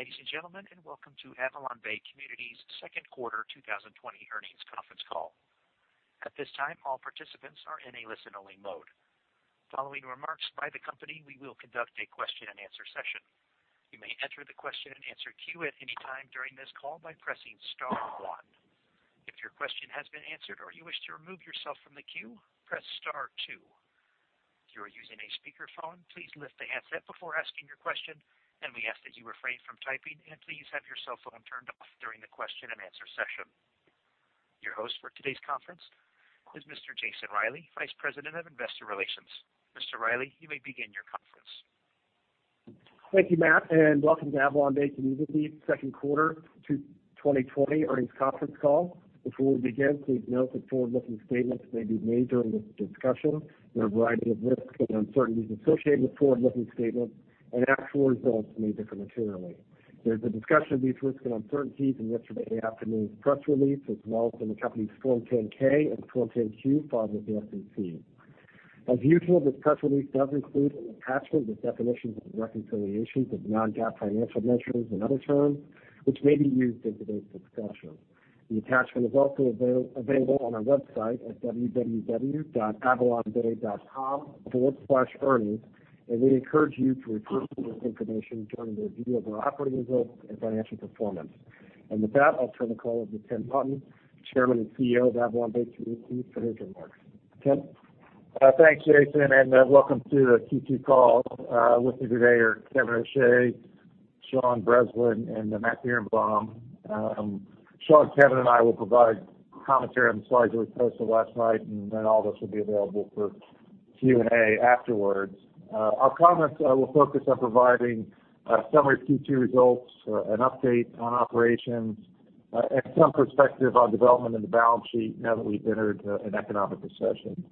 Good morning, ladies and gentlemen, and welcome to AvalonBay Communities' second quarter 2020 earnings conference call. At this time, all participants are in a listen-only mode. Following remarks by the company, we will conduct a question-and-answer session. You may enter the question and answer queue at any time during this call by pressing star one. If your question has been answered or you wish to remove yourself from the queue, press star two. If you are using a speakerphone, please lift the handset before asking your question, and we ask that you refrain from typing, and please have your cell phone turned off during the question and answer session. Your host for today's conference is Mr. Jason Reilley, Vice President of Investor Relations. Mr. Reilley, you may begin your conference. Thank you, Matt, and welcome to AvalonBay Communities' second quarter 2020 earnings conference call. Before we begin, please note that forward-looking statements may be made during this discussion. There are a variety of risks and uncertainties associated with forward-looking statements, and actual results may differ materially. There's a discussion of these risks and uncertainties in yesterday afternoon's press release, as well as in the company's Form 10-K and Form 10-Q filed with the SEC. As usual, this press release does include an attachment with definitions and reconciliations of non-GAAP financial measures and other terms which may be used in today's discussion. The attachment is also available on our website at www.avalonbay.com/earnings, and we encourage you to review this information during the review of our operating results and financial performance. With that, I'll turn the call over to Tim Naughton, Chairman and CEO of AvalonBay Communities, for his remarks. Tim? Thanks, Jason. Welcome to the Q2 call. With me today are Kevin O'Shea, Sean Breslin, and Matt Birenbaum. Sean, Kevin, and I will provide commentary on the slides we posted last night. All of us will be available for Q&A afterwards. Our comments will focus on providing summary Q2 results, an update on operations, and some perspective on development of the balance sheet now that we've entered an economic recession.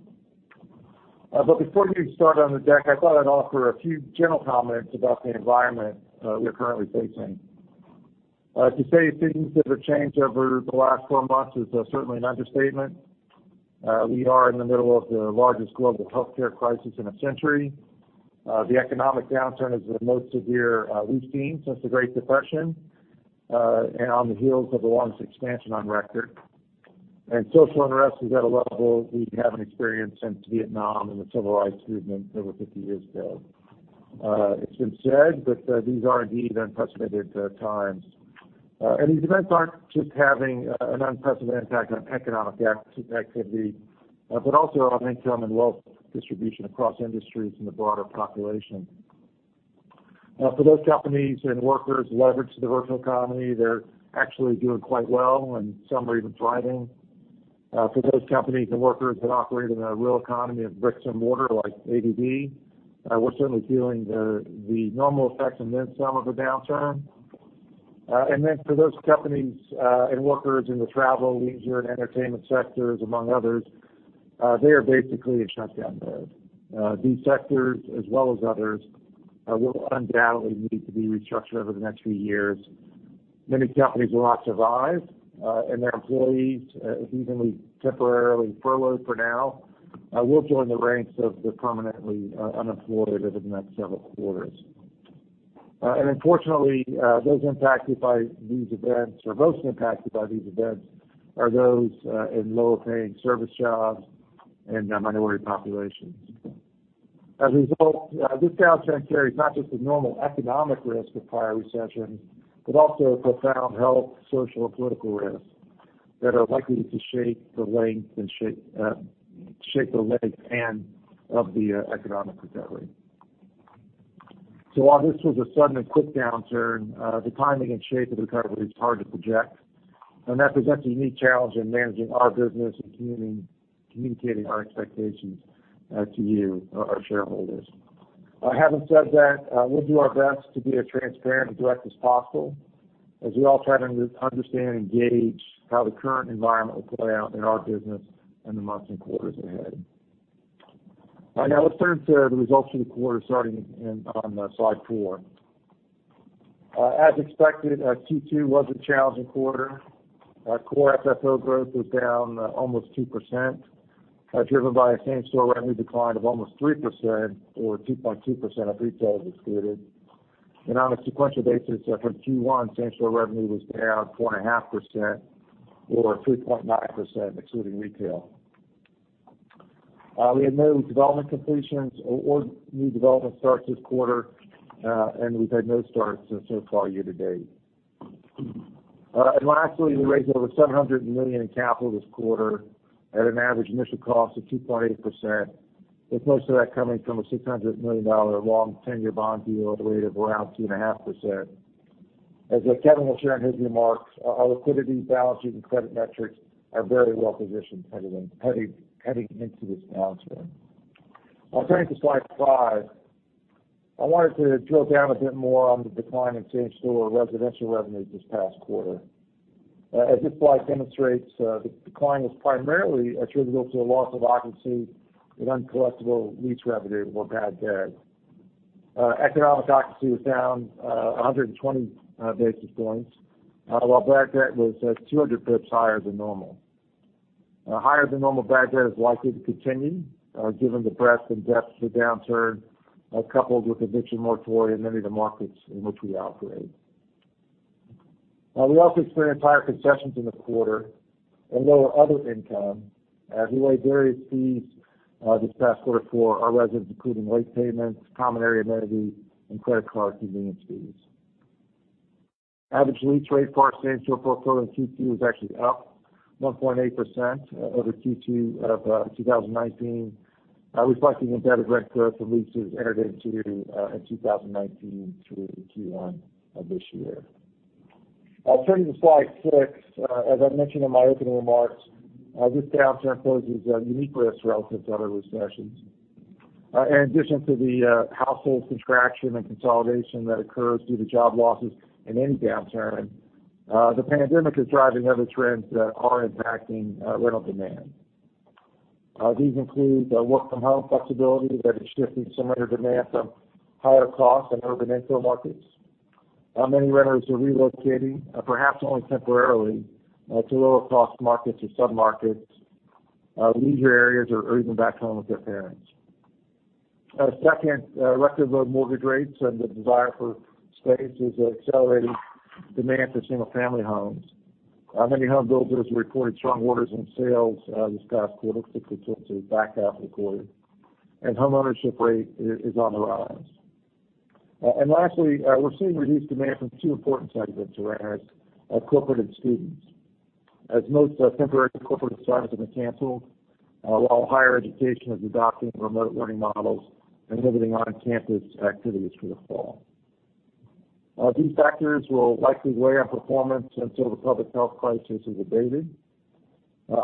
Before we start on the deck, I thought I'd offer a few general comments about the environment we are currently facing. To say things have changed over the last four months is certainly an understatement. We are in the middle of the largest global healthcare crisis in a century. The economic downturn is the most severe we've seen since the Great Depression. On the heels of the longest expansion on record. Social unrest is at a level we haven't experienced since Vietnam and the Civil Rights Movement over 50 years ago. It's been said that these are indeed unprecedented times. These events aren't just having an unprecedented impact on economic activity, but also on income and wealth distribution across industries and the broader population. For those companies and workers leveraged to the virtual economy, they're actually doing quite well, and some are even thriving. For those companies and workers that operate in a real economy of bricks and mortar, like AVB, we're certainly feeling the normal effects and then some of the downturn. For those companies and workers in the travel, leisure, and entertainment sectors, among others, they are basically in shutdown mode. These sectors, as well as others, will undoubtedly need to be restructured over the next few years. Many companies will not survive, their employees, even if temporarily furloughed for now, will join the ranks of the permanently unemployed over the next several quarters. Unfortunately, those impacted by these events, or most impacted by these events, are those in lower-paying service jobs and minority populations. As a result, this downturn carries not just the normal economic risk of prior recessions, but also profound health, social, and political risks that are likely to shape the length and of the economic recovery. While this was a sudden and quick downturn, the timing and shape of the recovery is hard to project, and that presents a unique challenge in managing our business and communicating our expectations to you, our shareholders. Having said that, we'll do our best to be as transparent and direct as possible as we all try to understand and gauge how the current environment will play out in our business in the months and quarters ahead. Let's turn to the results for the quarter, starting on slide four. As expected, Q2 was a challenging quarter. Core FFO growth was down almost 2%, driven by a same-store revenue decline of almost 3%, or 2.2% of retail excluded. On a sequential basis from Q1, same-store revenue was down 4.5%, or 3.9% excluding retail. We had no development completions or new development starts this quarter, and we've had no starts since so far year-to-date. Lastly, we raised over $700 million in capital this quarter at an average initial cost of 2.8%, with most of that coming from a $600 million long 10-year bond deal at a rate of around 2.5%. As Kevin will share in his remarks, our liquidity, balance sheet, and credit metrics are very well positioned heading into this downturn. I'll turn to slide five. I wanted to drill down a bit more on the decline in same-store residential revenue this past quarter. As this slide demonstrates, the decline was primarily attributable to a loss of occupancy and uncollectible lease revenue, or bad debt. Economic occupancy was down 120 basis points, while bad debt was 200 basis points higher than normal. Higher than normal bad debt is likely to continue given the breadth and depth of the downturn, coupled with eviction moratorium in many of the markets in which we operate. We also experienced higher concessions in the quarter and lower other income as we waive various fees this past quarter for our residents, including late payments, common area amenities, and credit card convenience fees. Average lease rate for our same-store portfolio in Q2 is actually up 1.8% over Q2 of 2019, reflecting embedded rent growth from leases entered into in 2019 through Q1 of this year. I'll turn to slide six. As I mentioned in my opening remarks, this downturn poses a unique risk relative to other recessions. In addition to the household contraction and consolidation that occurs due to job losses in any downturn, the pandemic is driving other trends that are impacting rental demand. These include work from home flexibility that is shifting some renter demand from higher cost and urban infill markets. Many renters are relocating, perhaps only temporarily, to lower cost markets or sub-markets, leisure areas, or even back home with their parents. Second, record low mortgage rates and the desire for space is accelerating demand for single-family homes. Many home builders have reported strong orders and sales this past quarter, particularly towards the back half of the quarter, and home ownership rate is on the rise. Lastly, we're seeing reduced demand from two important segments of renters, corporate and students. As most temporary corporate assignments have been canceled, while higher education is adopting remote learning models and limiting on-campus activities for the fall. These factors will likely weigh on performance until the public health crisis is abated. They'll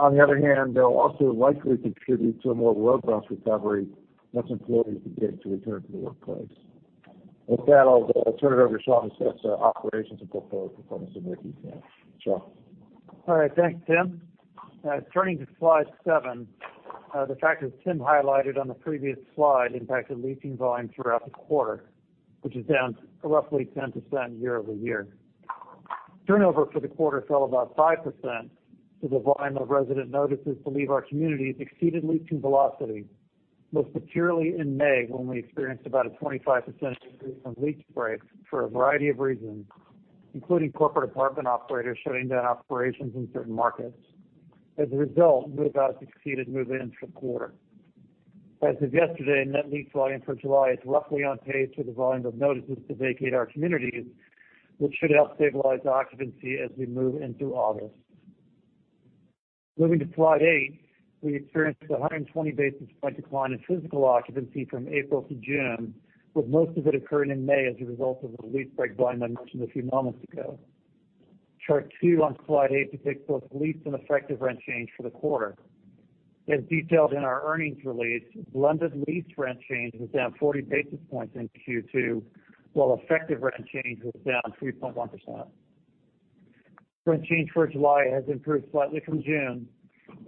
also likely contribute to a more robust recovery once employees begin to return to the workplace. With that, I'll turn it over to Sean to discuss operations and portfolio performance in more detail. Sean. All right. Thanks, Tim. Turning to slide seven, the factors Tim highlighted on the previous slide impacted leasing volume throughout the quarter, which is down roughly 10% year-over-year. Turnover for the quarter fell about 5% as the volume of resident notices to leave our communities exceeded leasing velocity, most materially in May when we experienced about a 25% increase in lease breaks for a variety of reasons, including corporate apartment operators shutting down operations in certain markets. As a result, move-outs exceeded move-ins for the quarter. As of yesterday, net lease volume for July is roughly on pace for the volume of notices to vacate our communities, which should help stabilize occupancy as we move into August. Moving to slide eight, we experienced 120 basis point decline in physical occupancy from April to June, with most of it occurring in May as a result of the lease break volume I mentioned a few moments ago. Chart two on slide eight depicts both leased and effective rent change for the quarter. As detailed in our earnings release, blended leased rent change was down 40 basis points in Q2, while effective rent change was down 3.1%.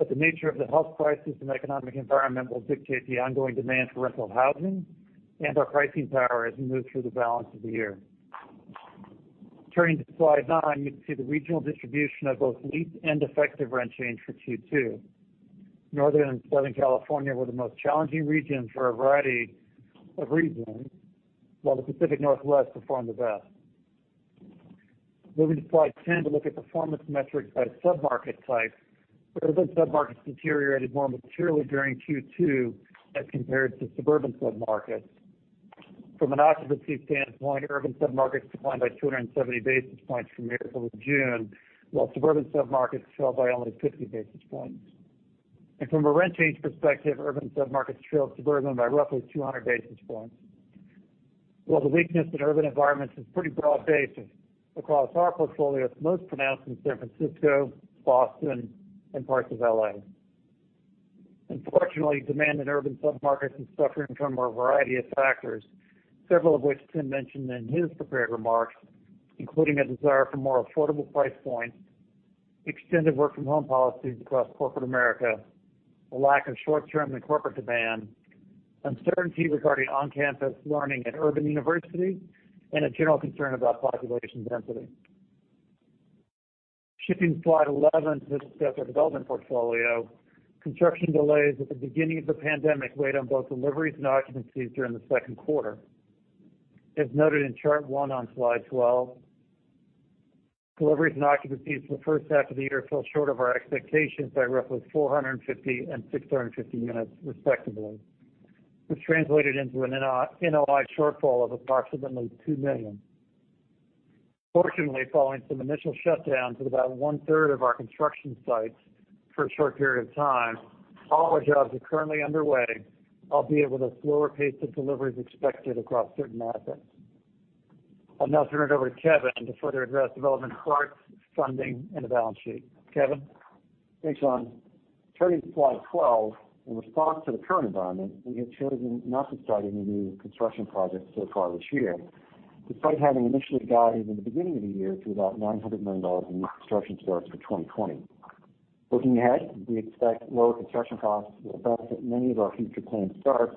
The nature of the health crisis and economic environment will dictate the ongoing demand for rental housing and our pricing power as we move through the balance of the year. Turning to slide nine, you can see the regional distribution of both leased and effective rent change for Q2. Northern and Southern California were the most challenging regions for a variety of reasons, while the Pacific Northwest performed the best. Moving to slide 10 to look at performance metrics by sub-market type. Urban sub-markets deteriorated more materially during Q2 as compared to suburban sub-markets. From an occupancy standpoint, urban sub-markets declined by 270 basis points from April to June, while suburban sub-markets fell by only 50 basis points. From a rent change perspective, urban sub-markets trailed suburban by roughly 200 basis points. While the weakness in urban environments is pretty broad-based across our portfolio, it's most pronounced in San Francisco, Boston, and parts of L.A. Unfortunately, demand in urban sub-markets is suffering from a variety of factors, several of which Tim mentioned in his prepared remarks, including a desire for more affordable price points, extended work from home policies across corporate America, a lack of short-term and corporate demand, uncertainty regarding on-campus learning at urban universities, and a general concern about population density. Skipping to slide 11 to discuss our development portfolio. Construction delays at the beginning of the pandemic weighed on both deliveries and occupancies during the second quarter. As noted in chart one on slide 12, deliveries and occupancies for the first half of the year fell short of our expectations by roughly 450 and 650 units respectively, which translated into an NOI shortfall of approximately $2 million. Fortunately, following some initial shutdowns at about 1/3 of our construction sites for a short period of time, all our jobs are currently underway, albeit with a slower pace of deliveries expected across certain assets. I'll now turn it over to Kevin to further address development starts, funding, and the balance sheet. Kevin? Thanks, Sean. Turning to slide 12, in response to the current environment, we have chosen not to start any new construction projects so far this year, despite having initially guided in the beginning of the year to about $900 million in new construction starts for 2020. Looking ahead, we expect lower construction costs will affect many of our future planned starts,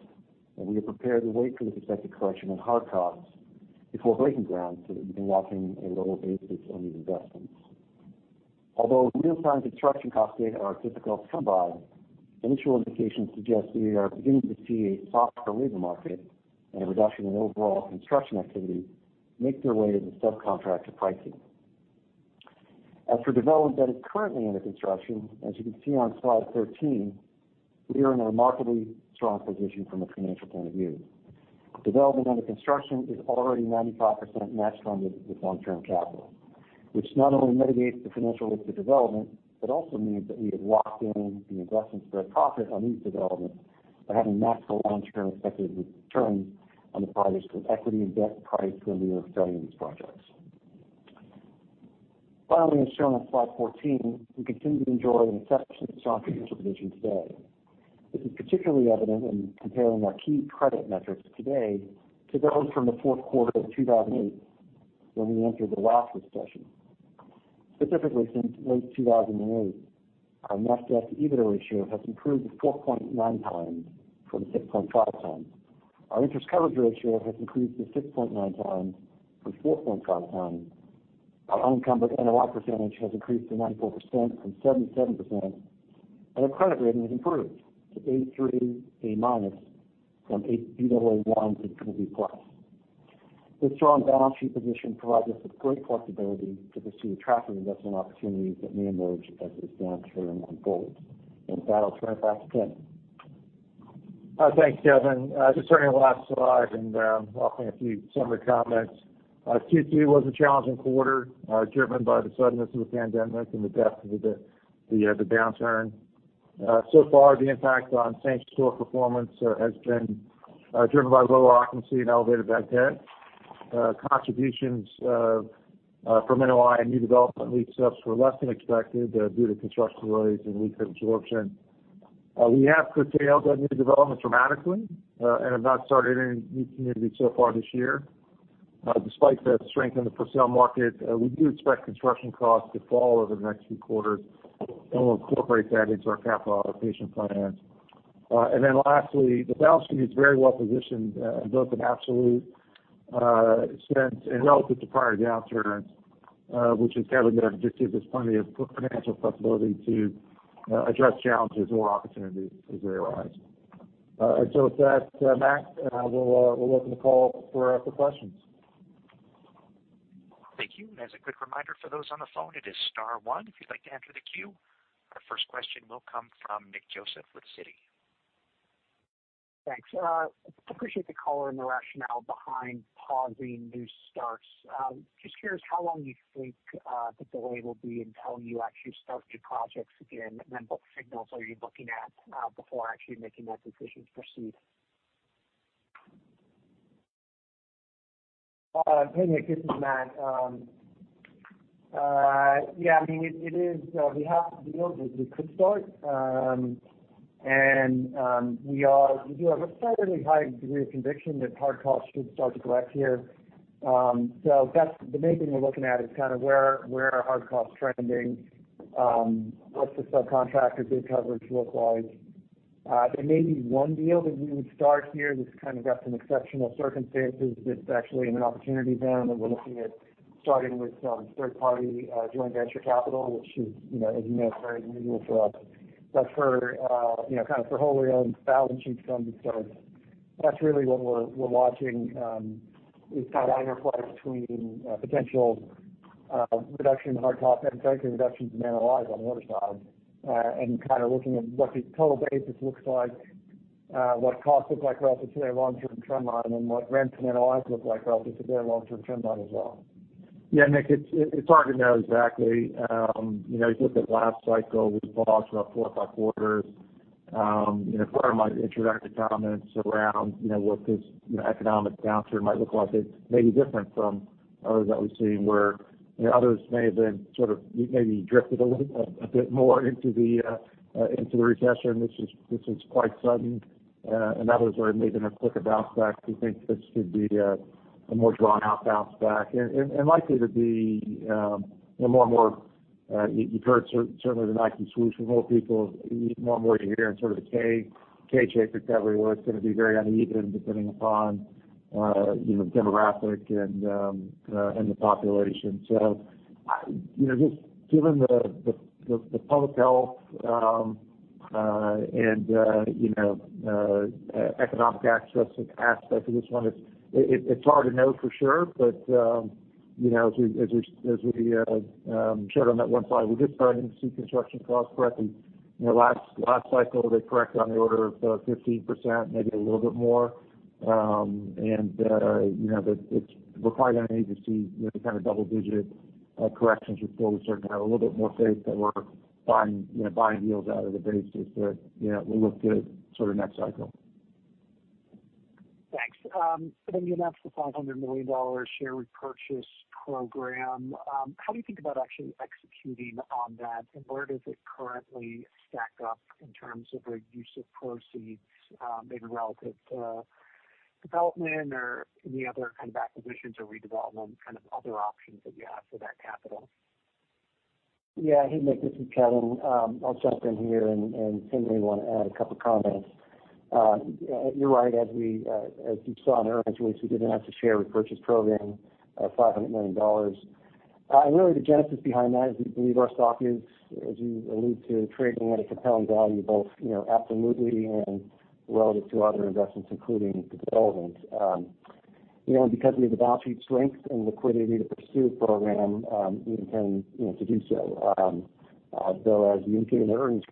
and we are prepared to wait for the expected correction in hard costs. Before breaking ground so that we can lock in a lower basis on these investments. Although real-time construction cost data are difficult to come by, initial indications suggest we are beginning to see a softer labor market and a reduction in overall construction activity make their way into subcontractor pricing. As for development that is currently under construction, as you can see on slide 13, we are in a remarkably strong position from a financial point of view. Development under construction is already 95% matched funded with long-term capital, which not only mitigates the financial risk of development, but also means that we have locked in the investment spread profit on these developments by having matched the long-term expected return on the project's equity and debt price when we were starting these projects. Finally, as shown on slide 14, we continue to enjoy an exceptionally strong financial position today. This is particularly evident in comparing our key credit metrics today to those from the fourth quarter of 2008, when we entered the last recession. Specifically, since late 2008, our net debt to EBITDA ratio has improved to 4.9x from 6.5x. Our interest coverage ratio has increased to 6.9x from 4.5x. Our unencumbered NOI percentage has increased to 94% from 77%, and our credit rating has improved to A3/A- from Baa1/BBB+. This strong balance sheet position provides us with great flexibility to pursue attractive investment opportunities that may emerge as this downturn unfolds. With that, I'll turn it back to Timothy Naughton. Thanks, Kevin. Just turning to the last slide and offering a few summary comments. Q2 was a challenging quarter, driven by the suddenness of the pandemic and the depth of the downturn. Far, the impact on same-store performance has been driven by lower occupancy and elevated vacants. Contributions from NOI and new development lease ups were less than expected due to construction delays and lease absorption. We have curtailed our new development dramatically and have not started any new communities so far this year. Despite the strength in the for-sale market, we do expect construction costs to fall over the next few quarters, and we'll incorporate that into our capital allocation plans. Lastly, the balance sheet is very well positioned in both an absolute sense and relative to prior downturns which as Kevin noted, just gives us plenty of financial flexibility to address challenges or opportunities as they arise. With that, Matt, we'll open the call up for questions. Thank you. As a quick reminder for those on the phone, it is star one if you'd like to enter the queue. Our first question will come from Nick Joseph with Citi. Thanks. Appreciate the color and the rationale behind pausing new starts. Just curious how long you think the delay will be until you actually start your projects again, and then what signals are you looking at before actually making that decision to proceed? Hey, Nick, this is Matt. Yeah, we have deals that we could start. We do have a fairly high degree of conviction that hard costs should start to correct here. The main thing we're looking at is kind of where are hard costs trending, what's the subcontractor bid coverage look like. There may be one deal that we would start here that's kind of got some exceptional circumstances that's actually in an opportunity zone, and we're looking at starting with some third-party joint venture capital, which is, as you know, is very unusual for us. For whole-owned balance sheet stuff, that's really what we're watching, is kind of that interplay between potential reduction in hard costs and frankly, reductions in NOIs on the other side, and kind of looking at what the total basis looks like, what costs look like relative to their long-term trend line, and what rents and NOIs look like relative to their long-term trend line as well. Yeah, Nick, it's hard to know exactly. You look at last cycle, we paused about four or five quarters. Part of my introductory comments around what this economic downturn might look like, it may be different from others that we've seen, where others may have been sort of maybe drifted a little bit more into the recession. Others may have been a quicker bounce back. We think this could be a more drawn-out bounce back and likely to be more and more you've heard certainly the Nike swoosh from more people, more and more you're hearing sort of the K-shaped recovery, where it's going to be very uneven depending upon demographic and the population. Just given the public health and economic access aspect of this one, it's hard to know for sure. As we showed on that one slide, we're just starting to see construction costs correct. Last cycle, they corrected on the order of 15%, maybe a little bit more. We're probably going to need to see kind of double-digit corrections before we start to have a little bit more faith that we're buying deals out at a basis that will look good sort of next cycle. Thanks. You announced the $500 million share repurchase program. How do you think about actually executing on that? Where does it currently stack up in terms of the use of proceeds, maybe relative to development or any other kind of acquisitions or redevelopment kind of other options that you have for that capital? Yeah, hey Nick, this is Kevin. I'll jump in here and Tim may want to add a couple of comments. You're right. As you saw in the earnings release, we did announce a share repurchase program of $500 million. Really the genesis behind that is we believe our stock is, as you allude to, trading at a compelling value, both absolutely and relative to other investments, including development. Because of the balance sheet strength and liquidity to pursue a program, we intend to do so. Though, as you indicated in the earnings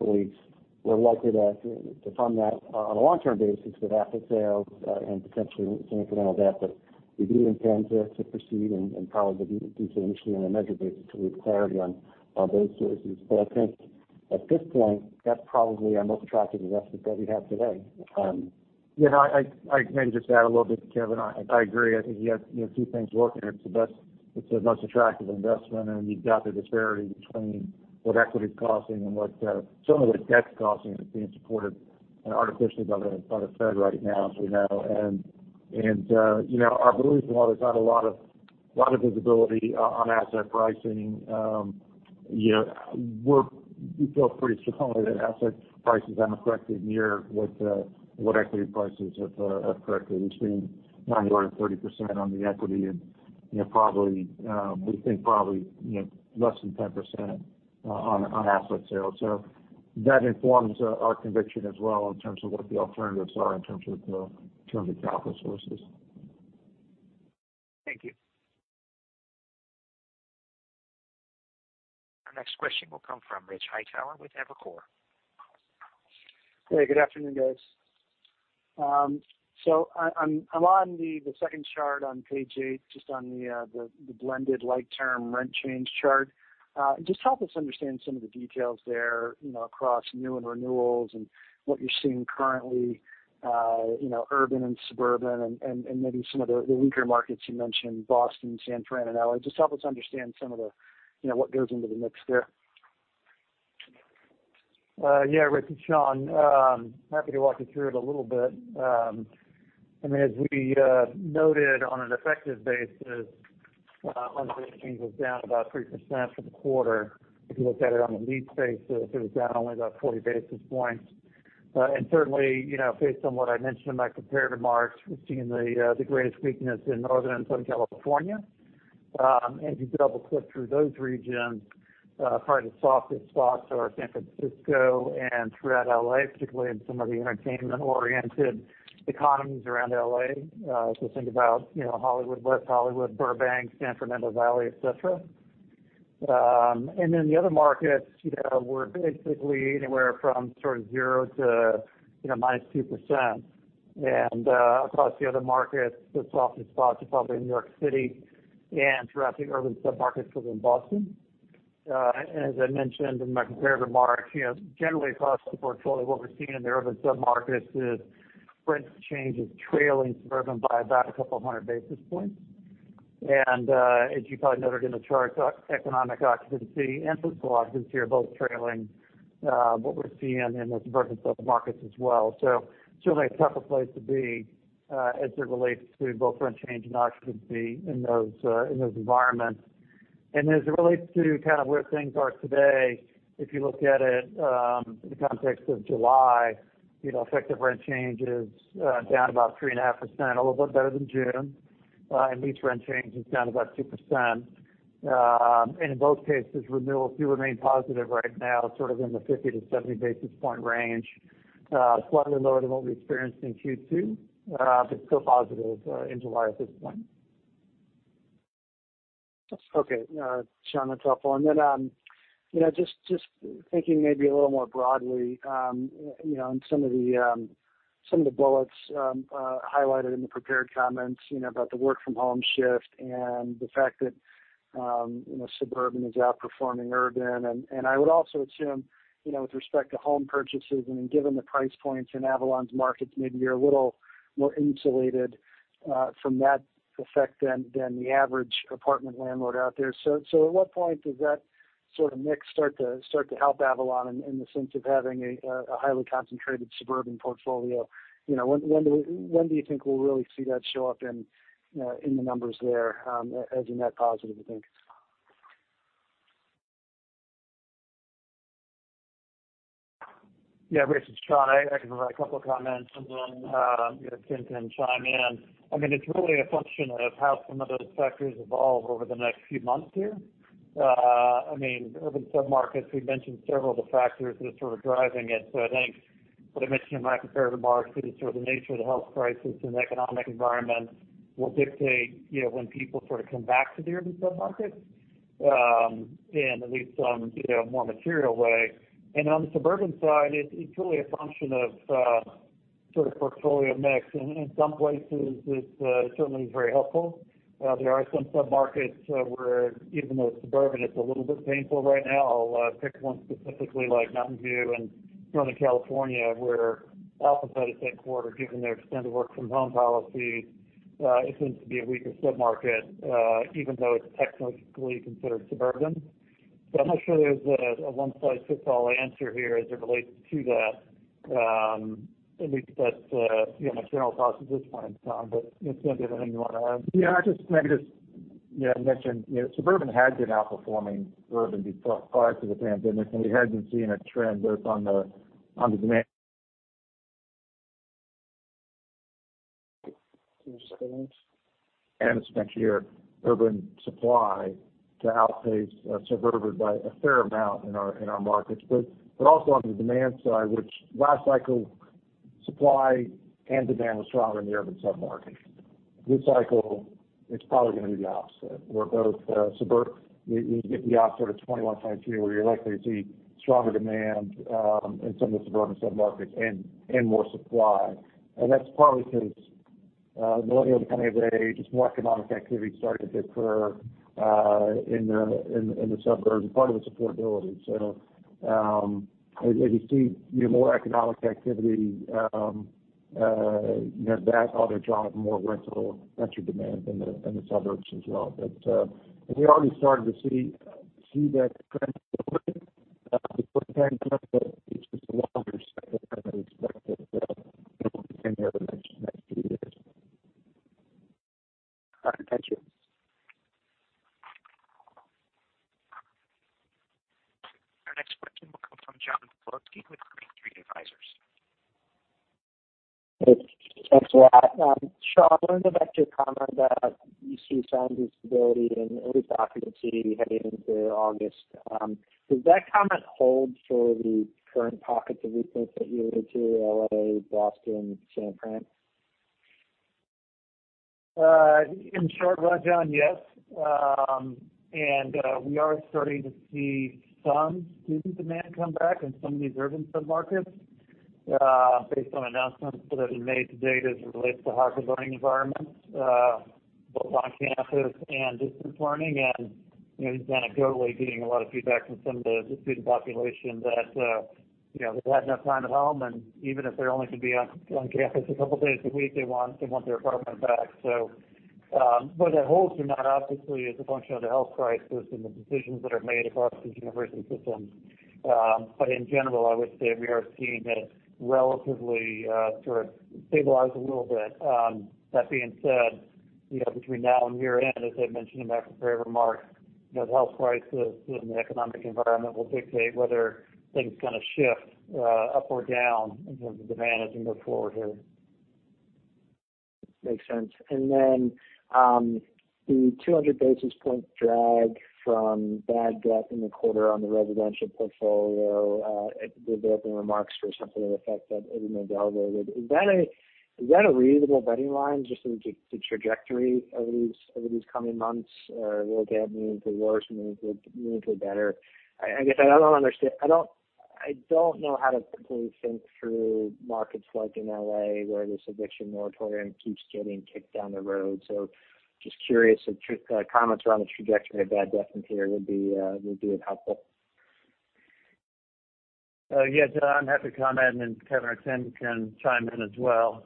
release, we're likely to fund that on a long-term basis with asset sales and potentially some incremental debt. We do intend to proceed and probably do so initially on an as-needed basis until we have clarity on those issues. I think at this point, that's probably our most attractive investment that we have today. Yeah. I maybe just add a little bit to Kevin. I agree. I think you have two things working. It's the most attractive investment, and you've got the disparity between what equity is costing and what some of the debt costing is being supported artificially by the Fed right now, as we know. Our belief is while there's not a lot of visibility on asset pricing, we feel pretty strongly that asset prices have corrected near what equity prices have corrected, which being 90% or [quated percent] on the equity. We think probably less than 10% on asset sales. That informs our conviction as well in terms of what the alternatives are in terms of capital sources. Thank you. Our next question will come from Rich Hightower with Evercore. Hey, good afternoon, guys. I'm on the second chart on page eight, just on the blended like-term rent change chart. Just help us understand some of the details there, across new and renewals and what you're seeing currently, urban and suburban and maybe some of the weaker markets you mentioned, Boston, San Fran, and L.A. Just help us understand what goes into the mix there. Yeah, Rich, it's Sean. Happy to walk you through it a little bit. As we noted on an effective basis, rent change was down about 3% for the quarter. If you look at it on the lease basis, it was down only about 40 basis points. Certainly, based on what I mentioned in my comparative remarks, we've seen the greatest weakness in Northern and Southern California. If you double-click through those regions, probably the softest spots are San Francisco and throughout L.A., particularly in some of the entertainment-oriented economies around L.A. So think about Hollywood, West Hollywood, Burbank, San Fernando Valley, et cetera. Then the other markets were basically anywhere from sort of zero to minus 2%. Across the other markets, the softest spots are probably New York City and throughout the urban submarkets within Boston. As I mentioned in my comparative remarks, generally across the portfolio, what we're seeing in the urban submarkets is rent change is trailing suburban by about 200 basis points. As you probably noted in the charts, economic occupancy and physical occupancy are both trailing what we're seeing in the suburban submarkets as well. Certainly a tougher place to be as it relates to both rent change and occupancy in those environments. As it relates to kind of where things are today, if you look at it in the context of July, effective rent change is down about 3.5%, a little bit better than June. Lease rent change is down about 2%. In both cases, renewals do remain positive right now, sort of in the 50 to 70-basis-point range. Slightly lower than what we experienced in Q2 but still positive in July at this point. Okay. Sean, that's helpful. Just thinking maybe a little more broadly on some of the bullets highlighted in the prepared comments about the work-from-home shift and the fact that suburban is outperforming urban. I would also assume with respect to home purchases and given the price points in Avalon's markets, maybe you're a little more insulated from that effect than the average apartment landlord out there. At what point does that sort of mix start to help Avalon in the sense of having a highly concentrated suburban portfolio? When do you think we'll really see that show up in the numbers there as a net positive, you think? Yeah, Rich, it's Sean. I can provide a couple of comments, then Tim can chime in. It's really a function of how some of those factors evolve over the next few months here. Urban submarkets, we've mentioned several of the factors that are sort of driving it. I think what I mentioned in my comparative remarks is sort of the nature of the health crisis and economic environment will dictate when people sort of come back to the urban submarkets in at least some more material way. On the suburban side, it's really a function of sort of portfolio mix. In some places, it certainly is very helpful. There are some submarkets where even though it's suburban, it's a little bit painful right now. I'll pick one specifically like Mountain View in Northern California, where Alphabet is headquartered, given their extended work-from-home policy, it seems to be a weaker submarket even though it's technically considered suburban. I'm not sure there's a one-size-fits-all answer here as it relates to that, at least that's my general thoughts at this point in time. Tim, do you have anything you want to add? Yeah, maybe just mention, suburban had been outperforming urban prior to the pandemic, and we had been seeing a trend both on the demand- year urban supply to outpace suburban by a fair amount in our markets. Also on the demand side, which last cycle supply and demand was stronger in the urban sub-market. This cycle, it's probably going to be the opposite, where you get the offset of 21.2, where you're likely to see stronger demand in some of the suburban sub-markets and more supply. That's partly because millennials are coming of age. It's more economic activity starting to occur in the suburbs, and part of it's affordability. As you see more economic activity, that ought to drive more rental entry demand in the suburbs as well. We already started to see that trend before the pandemic, but it's just a longer cycle than I expected. All right. Thank you. Our next question will come from John Pawlowski with Green Street Advisors. Thanks a lot. Sean, I wanted to go back to your comment that you see some stability in lease occupancy heading into August. Does that comment hold for the current pockets of weakness that you allude to, L.A., Boston, San Fran? In short, John, yes. We are starting to see some student demand come back in some of these urban sub-markets based on announcements that have been made to date as it relates to hybrid learning environments both on campus and distance learning. Anecdotally, getting a lot of feedback from some of the student population that they've had enough time at home, and even if they only can be on campus a couple days a week, they want their apartment back. Whether that holds or not, obviously, is a function of the health crisis and the decisions that are made across these university systems. In general, I would say we are seeing it relatively sort of stabilize a little bit. That being said, between now and year-end, as I mentioned in my prepared remarks, the health crisis and the economic environment will dictate whether things kind of shift up or down in terms of demand as we move forward here. Makes sense. The 200 basis points drag from bad debt in the quarter on the residential portfolio, the opening remarks were something to the effect that it had been delegated. Is that a reasonable budding line just in terms of the trajectory over these coming months? Will it get meaningfully worse, meaningfully better? I guess I don't know how to completely think through markets like in L.A., where this eviction moratorium keeps getting kicked down the road. Just curious if comments around the trajectory of bad debt from here would be helpful. Yeah, John, happy to comment, and Kevin or Tim can chime in as well.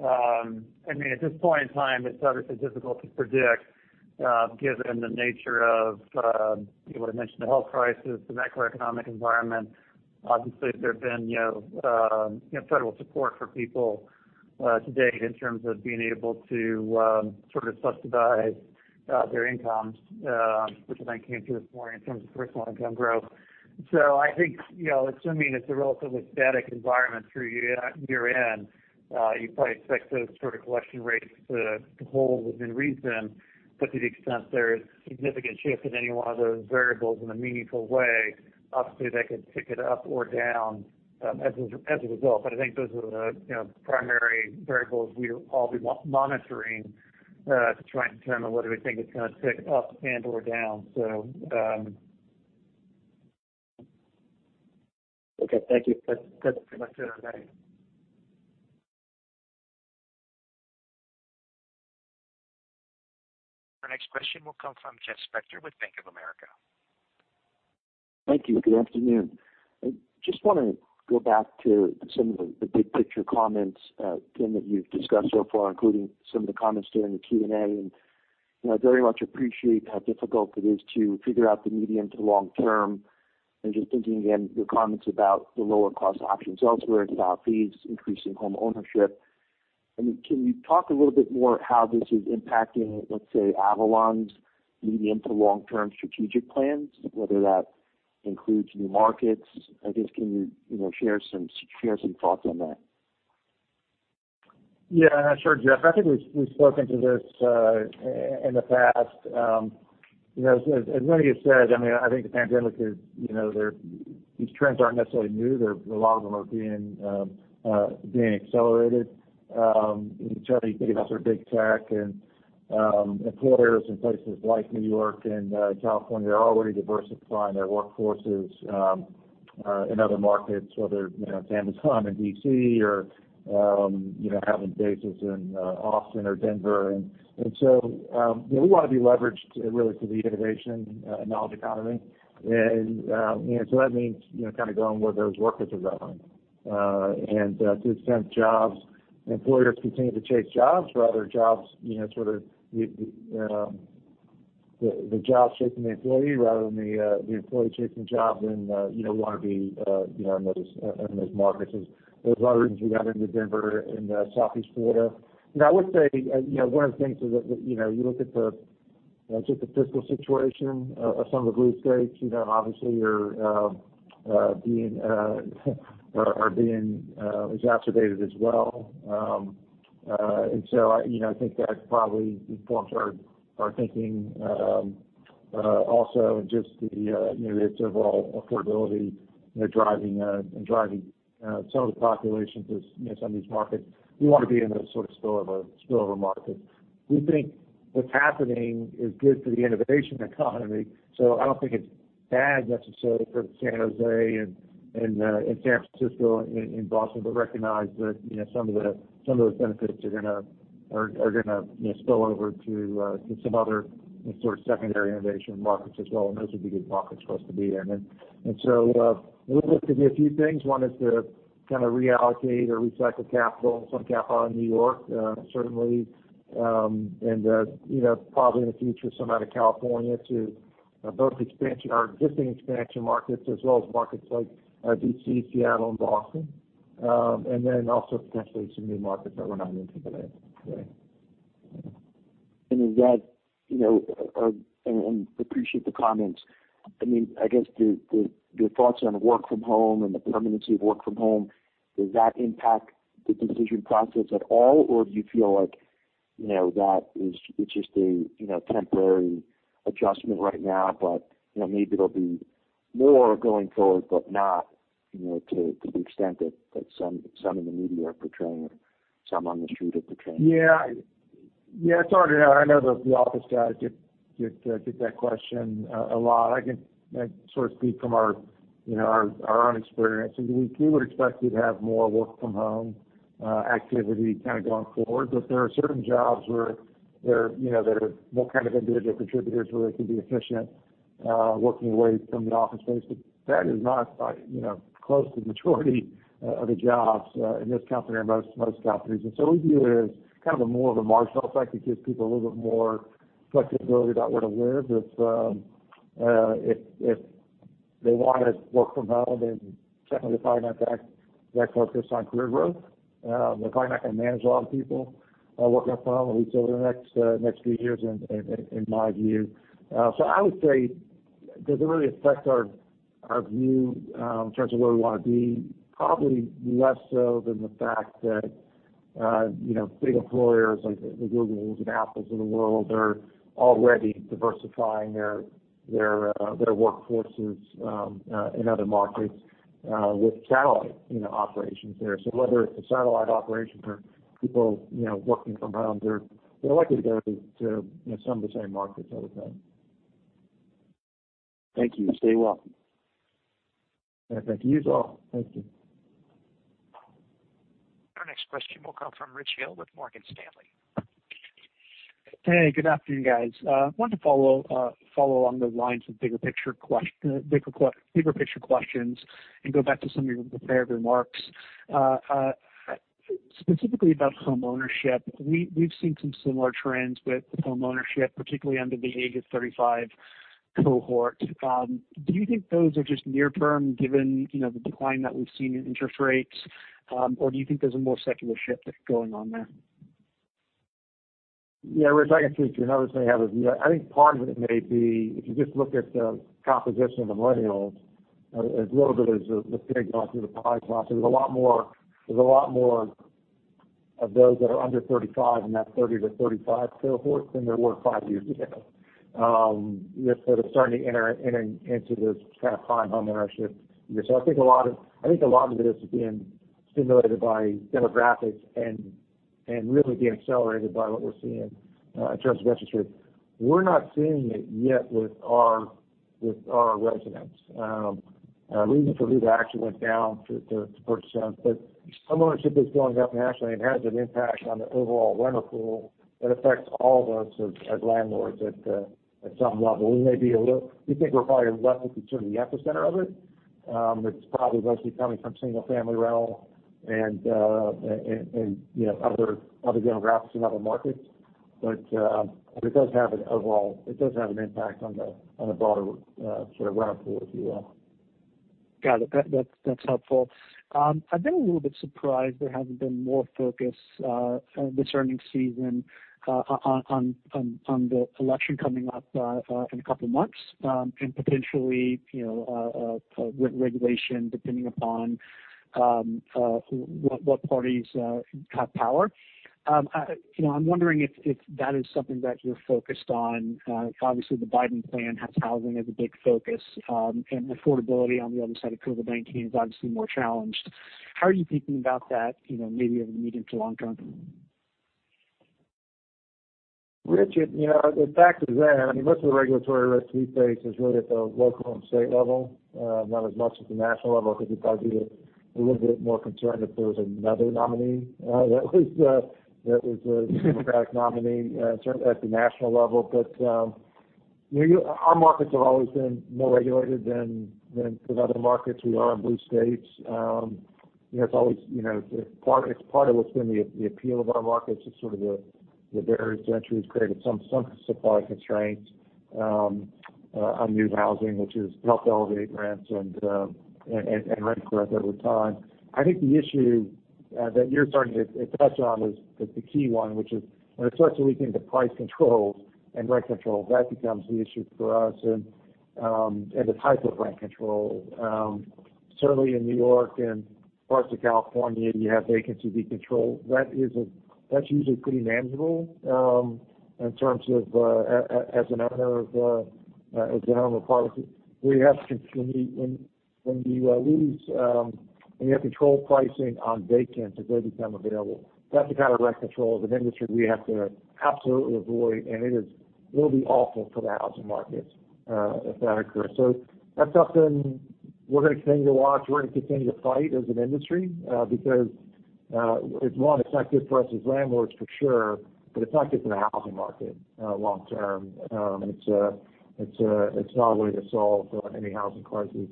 At this point in time, it's obviously difficult to predict given the nature of what I mentioned, the health crisis, the macroeconomic environment. Obviously, there've been federal support for people to date in terms of being able to sort of subsidize their incomes, which I think came through this morning in terms of personal income growth. I think, assuming it's a relatively static environment through year-end, you'd probably expect those sort of collection rates to hold within reason. To the extent there is significant shift in any one of those variables in a meaningful way, obviously, that could tick it up or down as a result. I think those are the primary variables we'll all be monitoring to try and determine whether we think it's going to tick up and/or down. So Okay. Thank you. That's it on my end. Our next question will come from Jeff Spector with Bank of America. Thank you. Good afternoon. I just want to go back to some of the big-picture comments, Tim, that you've discussed so far, including some of the comments during the Q&A. I very much appreciate how difficult it is to figure out the medium to long-term. Just thinking again, your comments about the lower-cost options elsewhere, the top fees increasing homeownership. Can you talk a little bit more how this is impacting, let's say, Avalon's medium to long-term strategic plans, whether that includes new markets? I guess, can you share some thoughts on that? Yeah, sure, Jeff. I think we've spoken to this in the past. As many have said, I think the pandemic, these trends aren't necessarily new. A lot of them are being accelerated. Certainly, you think about sort of big tech and employers in places like New York and California are already diversifying their workforces in other markets, whether it's Amazon in D.C. or having bases in Austin or Denver. We want to be leveraged really to the innovation and knowledge economy. That means kind of going where those workers are going. To the extent jobs and employers continue to chase the employee rather than the employee chasing jobs in a lot of those markets. There's a lot of reasons we got into Denver and Southeast Florida. I would say, one of the things is that you look at just the fiscal situation of some of the blue states, obviously are being exacerbated as well. I think that probably informs our thinking. Also just its overall affordability, and driving some of the populations in some of these markets. We want to be in those sort of spillover markets. We think what's happening is good for the innovation economy. I don't think it's bad necessarily for San Jose and San Francisco, and Boston, but recognize that some of those benefits are going to spill over to some other sort of secondary innovation markets as well, and those will be good markets for us to be in. We look to do a few things. One is to kind of reallocate or recycle capital, some capital out of New York, certainly. Probably in the future, some out of California to both our existing expansion markets as well as markets like D.C., Seattle, and Boston. Then also potentially some new markets that we're not into today. Appreciate the comments. I guess your thoughts on work from home and the permanency of work from home, does that impact the decision process at all? Do you feel like that is just a temporary adjustment right now, but maybe there'll be more going forward, but not to the extent that some in the media are portraying it, some on the street are portraying it? Yeah. It's hard to know. I know the office guys get that question a lot. I can sort of speak from our own experience. We do expect you to have more work from home activity kind of going forward. There are certain jobs where there are kind of individual contributors where they can be efficient working away from the office space. That is not close to the majority of the jobs in this company or most companies. We view it as kind of more of a marginal effect. It gives people a little bit more flexibility about where to live. If they want to work from home, they're definitely probably not that focused on career growth. They're probably not going to manage a lot of people working from home at least over the next few years, in my view. I would say, does it really affect our view in terms of where we want to be? Probably less so than the fact that big employers like the Googles and Apples of the world are already diversifying their workforces in other markets with satellite operations there. Whether it's a satellite operation or people working from home, they're likely to go to some of the same markets over time. Thank you. Stay well. Thank you. You as well. Thank you. Our next question will come from Rich Hill with Morgan Stanley. Hey, good afternoon, guys. Wanted to follow along the lines of bigger picture questions and go back to some of your prepared remarks. Specifically about home ownership. We've seen some similar trends with home ownership, particularly under the age of 35 cohort. Do you think those are just near term given the decline that we've seen in interest rates? Do you think there's a more secular shift that's going on there? Rich, I can speak to it. Others may have a view. I think part of it may be, if you just look at the composition of millennials, a little bit is the pig going through the pythons. There's a lot more of those that are under 35 in that 30 to 35 cohorts than there were five years ago. They're sort of starting to enter into this kind of prime home ownership years. I think a lot of it is being stimulated by demographics and really being accelerated by what we're seeing in terms of interest rates. We're not seeing it yet with our residents. Our actually went down 3%. Home ownership is going up nationally, and it has an impact on the overall renter pool that affects all of us as landlords at some level. We think we're probably less than sort of the epicenter of it. It's probably mostly coming from single-family rental and other demographics in other markets. It does have an impact on the broader sort of renter pool if you will. Got it. That's helpful. I've been a little bit surprised there hasn't been more focus this earning season on the election coming up in a couple of months. Potentially, with regulation depending upon what parties have power. I'm wondering if that is something that you're focused on. Obviously, the Biden plan has housing as a big focus. Affordability on the other side of COVID-19 is obviously more challenged. How are you thinking about that maybe over the medium to long-term? Rich, the fact is that, most of the regulatory risk we face is really at the local and state level. Not as much at the national level. I think we'd probably be a little bit more concerned if there was another nominee that was a Democratic nominee, certainly at the national level. Our markets have always been more regulated than other markets. We are in blue states. It's part of what's been the appeal of our markets, is sort of the barriers to entry has created some supply constraints on new housing, which has helped elevate rents and rent growth over time. I think the issue that you're starting to touch on is the key one, which is when it starts to leak into price controls and rent controls, that becomes the issue for us, and the type of rent control. Certainly in New York and parts of California, you have vacancy decontrol. That's usually pretty manageable in terms of as an owner of the policy. When you have control pricing on vacants, as they become available, that's the kind of rent control as an industry we have to absolutely avoid, and it'll be awful for the housing markets if that occurs. That's something we're going to continue to watch. We're going to continue to fight as an industry. It's not effective for us as landlords for sure, but it's not good for the housing market long-term. It's not a way to solve any housing crises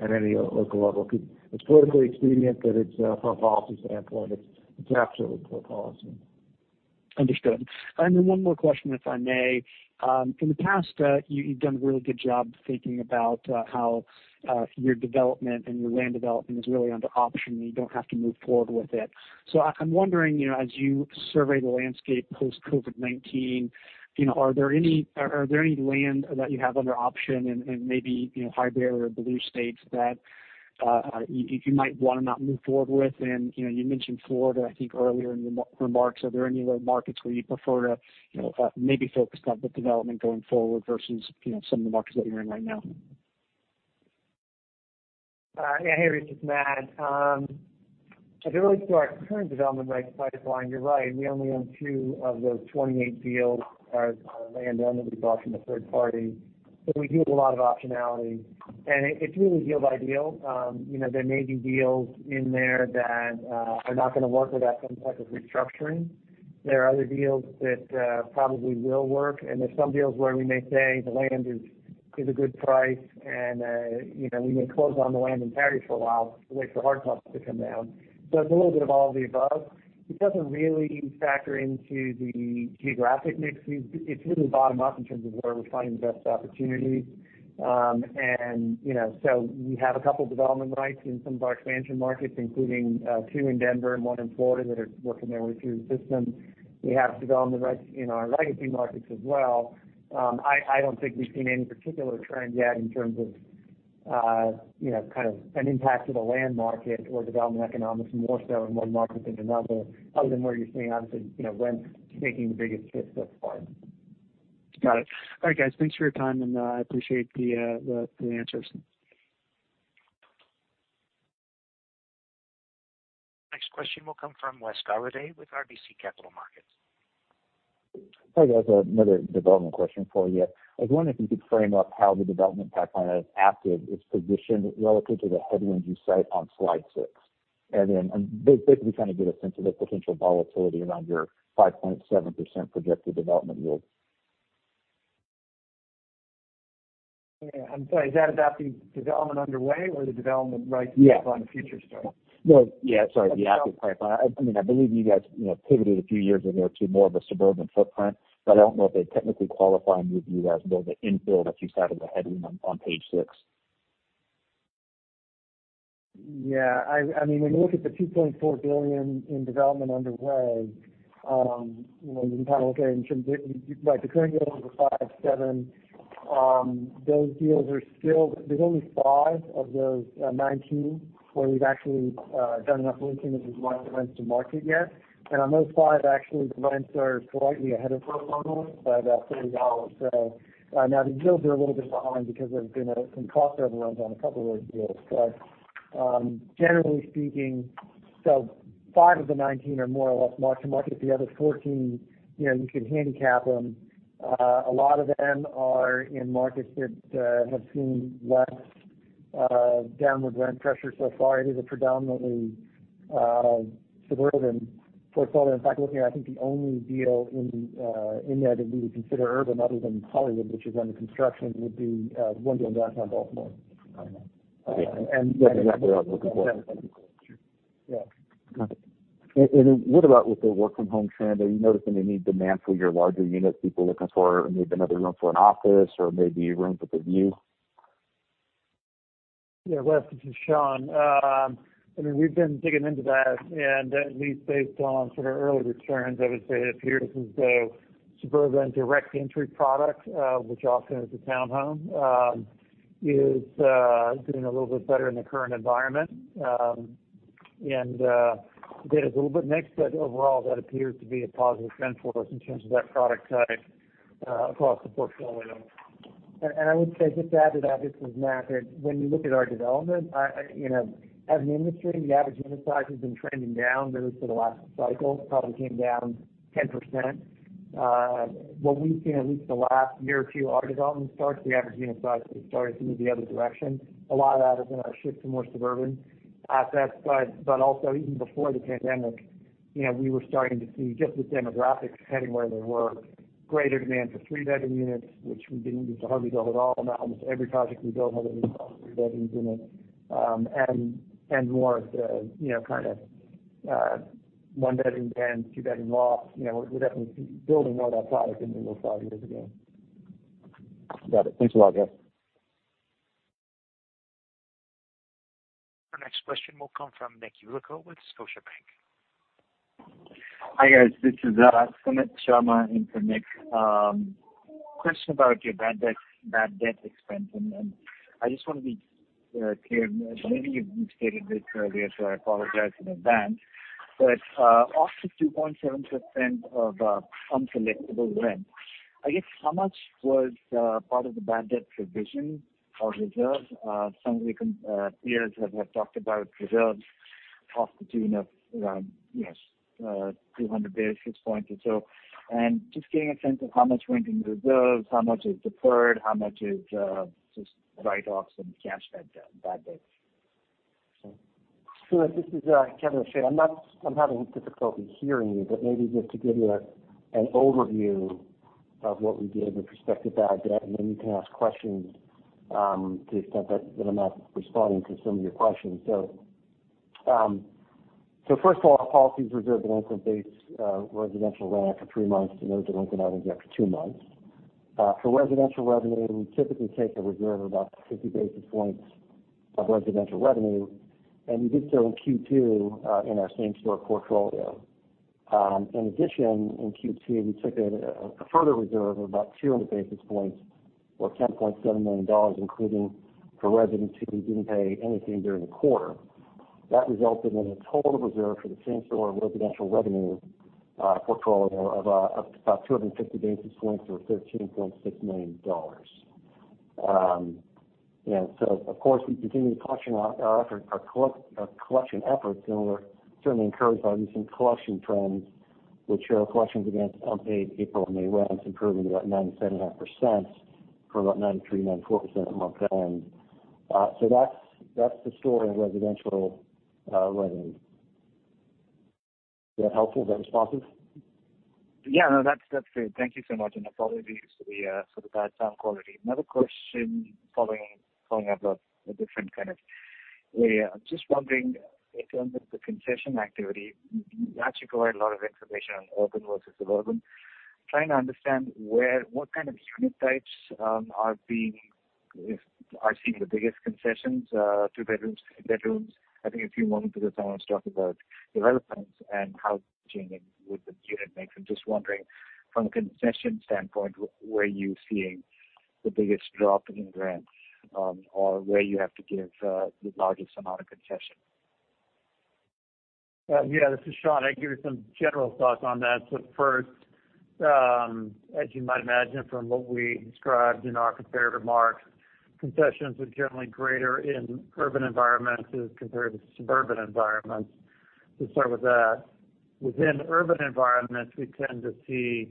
at any local level. It's politically expedient, but it's poor policy standpoint. It's absolutely poor policy. Understood. One more question, if I may. In the past, you've done a really good job thinking about how your development and your land development is really under option, and you don't have to move forward with it. I'm wondering, as you survey the landscape post-COVID-19, are there any land that you have under option in maybe high barrier blue states that you might want to not move forward with? You mentioned Florida, I think earlier in your remarks. Are there any other markets where you prefer to maybe focus on the development going forward versus some of the markets that you're in right now? Yeah. Hey, Rich, it's Matt. As it relates to our current development rights pipeline, you're right. We only own two of those 28 deals as land only we bought from a third party. We do have a lot of optionality, and it's really deal by deal. There may be deals in there that are not going to work without some type of restructuring. There are other deals that probably will work, and there's some deals where we may say the land is a good price, and we may close on the land and carry it for a while and wait for hard costs to come down. It's a little bit of all of the above. It doesn't really factor into the geographic mix. It's really bottom up in terms of where we're finding the best opportunities. We have a couple development rights in some of our expansion markets, including two in Denver and one in Florida that are working their way through the system. We have development rights in our legacy markets as well. I don't think we've seen any particular trend yet in terms of an impact to the land market or development economics, more so in one market than another, other than where you're seeing, obviously, rents taking the biggest hits thus far. Got it. All right, guys, thanks for your time, and I appreciate the answers. Next question will come from Wes Golladay with RBC Capital Markets. Hi, guys. Another development question for you. I was wondering if you could frame up how the development pipeline at AVB is positioned relative to the headwinds you cite on slide six. Then basically kind of give a sense of the potential volatility around your 5.7% projected development yield. Yeah. I'm sorry, is that about the development underway or the development rights? Yeah pipeline future stuff? Yeah, sorry, the active pipeline. I believe you guys pivoted a few years ago to more of a suburban footprint, but I don't know if they technically qualify under you guys as though the infill that you cited as a headwind on page six. Yeah. When you look at the $2.4 billion in development underway, you can kind of look at it. The current yield is at 5.7%. There's only five of those 19 where we've actually done enough leasing that we've rented to market yet. On those five, actually, the rents are slightly ahead of pro forma by about $30. Now the deals are a little bit behind because there's been some cost overruns on a couple of those deals. Generally speaking, so five of the 19 are more or less marked to market. The other 14, you could handicap them. A lot of them are in markets that have seen less downward rent pressure so far. It is a predominantly suburban portfolio. In fact, looking at, I think the only deal in there that we would consider urban, other than Hollywood, which is under construction, would be the one doing Downtown Baltimore. Yeah. That's exactly what I was looking for. Yeah. Got it. What about with the work from home trend? Are you noticing any demand for your larger units, people looking for maybe another room for an office or maybe rooms with a view? Yeah. Wes, this is Sean. We've been digging into that, and at least based on sort of early returns, I would say it appears as though suburban direct entry product which often is a town home, is doing a little bit better in the current environment. Again, it's a little bit mixed, but overall, that appears to be a positive trend for us in terms of that product type across the portfolio. I would say, just to add to that, this is Matt. When you look at our development, as an industry, the average unit size has been trending down really for the last cycle. It probably came down 10%. What we've seen, at least the last year or two, our development starts, the average unit size has started to move the other direction. A lot of that is in our shift to more suburban assets. Also even before the pandemic. We were starting to see just the demographics heading where there were greater demand for three-bedroom units, which we didn't used to hardly build at all. Now almost every project we build has a three-bedroom unit and more of the kind of one-bedroom and two-bedroom lofts. We're definitely building more of that product than we were five years ago. Got it. Thanks a lot, guys. Our next question will come from Nick Yulico with Scotiabank. Hi, guys. This is Sumit Sharma in for Nick. Question about your bad debt expense. I just want to be clear, maybe you've stated this earlier, so I apologize in advance, but of the 2.7% of uncollectible rent, I guess how much was part of the bad debt provision or reserve? Some of your peers have talked about reserves of the tune of 200 basis points or so. Just getting a sense of how much went into reserves, how much is deferred, how much is just write-offs and cash bad debt? Sumit, this is Kevin O'Shea. I'm having difficulty hearing you, but maybe just to give you an overview of what we did with respect to bad debt, and then you can ask questions to the extent that I'm not responding to some of your questions. First of all, our policy is to reserve the delinquent-based residential rent for three months and those delinquencies after two months. For residential revenue, we typically take a reserve of about 50 basis points of residential revenue, and we did so in Q2 in our same-store portfolio. In addition, in Q2, we took a further reserve of about 200 basis points or $10.7 million, including for residents who didn't pay anything during the quarter. That resulted in a total reserve for the same-store residential revenue portfolio of about 250 basis points or $13.6 million. Of course, we continue our collection efforts, and we're certainly encouraged by recent collection trends, which show collections against unpaid April and May rents improving to about 97.5% from about 93%-94% at month end. That's the story on residential revenue. Is that helpful? Is that responsive? Yeah, no. That's great. Thank you so much, and apologies for the bad sound quality. Another question following up a different kind of way. I'm just wondering in terms of the concession activity, you actually provide a lot of information on urban versus suburban. Trying to understand what kind of unit types are seeing the biggest concessions, two bedrooms, three bedrooms. I think a few moments ago someone was talking about developments and how they're changing with the unit mix. I'm just wondering from a concession standpoint, where are you seeing the biggest drop in rents, or where you have to give the largest amount of concession? Yeah. This is Sean. I can give you some general thoughts on that. First, as you might imagine from what we described in our prepared remarks, concessions are generally greater in urban environments compared to suburban environments. We'll start with that. Within urban environments, we tend to see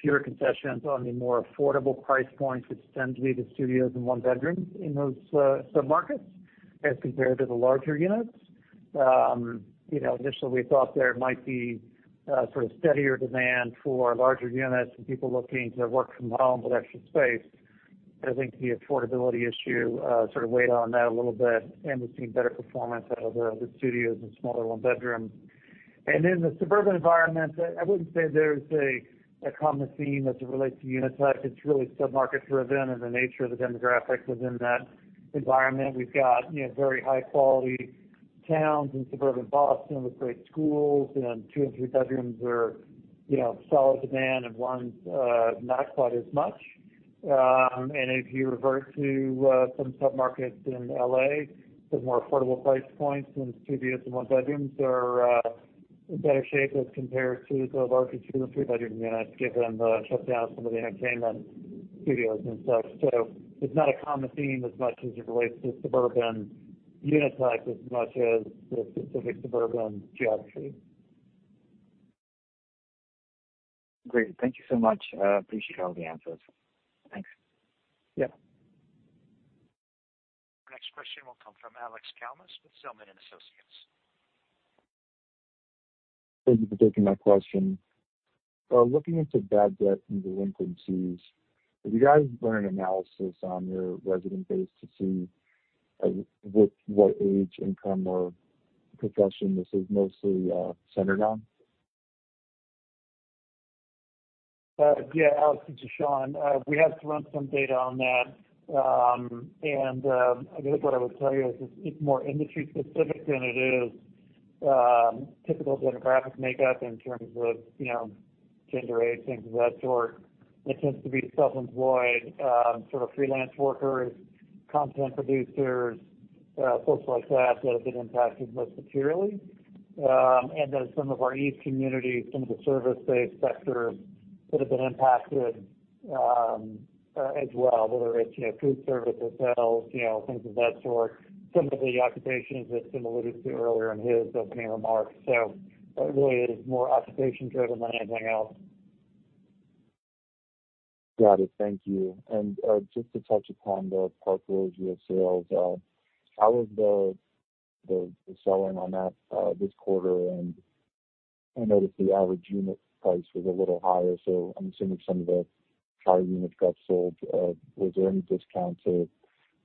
fewer concessions on the more affordable price points, which tends to be the studios and one bedrooms in those sub-markets as compared to the larger units. Initially we thought there might be sort of steadier demand for larger units and people looking to work from home with extra space. I think the affordability issue sort of weighed on that a little bit, and we've seen better performance out of the studios and smaller one bedrooms. In the suburban environment, I wouldn't say there's a common theme as it relates to unit type. It's really sub-market driven and the nature of the demographics within that environment. We've got very high-quality towns in suburban Boston with great schools, and two and three bedrooms are in solid demand, and one's not quite as much. If you revert to some sub-markets in L.A., the more affordable price points in the studios and one bedrooms are in better shape as compared to the larger two and three bedroom units given the shutdown of some of the entertainment studios and such. It's not a common theme as much as it relates to suburban unit types as much as the specific suburban geography. Great. Thank you so much. Appreciate all the answers. Thanks. Yeah. Our next question will come from Alex Kalmus with Zelman & Associates. Thank you for taking my question. Looking into bad debt and delinquencies, have you guys run analysis on your resident base to see what age, income, or profession this is mostly centered on? Alex. It's Sean. We have run some data on that. I guess what I would tell you is it's more industry specific than it is typical demographic makeup in terms of gender, age, things of that sort. It tends to be self-employed sort of freelance workers, content producers, folks like that have been impacted most materially. Some of our e-community, some of the service-based sectors that have been impacted as well, whether it's food service, hotels, things of that sort. Some of the occupations that Tim alluded to earlier in his opening remarks. It really is more occupation driven than anything else. Got it. Thank you. Just to touch upon The Park Loggia sales, how was the selling on that this quarter? I noticed the average unit price was a little higher, so I'm assuming some of the higher units got sold. Was there any discount to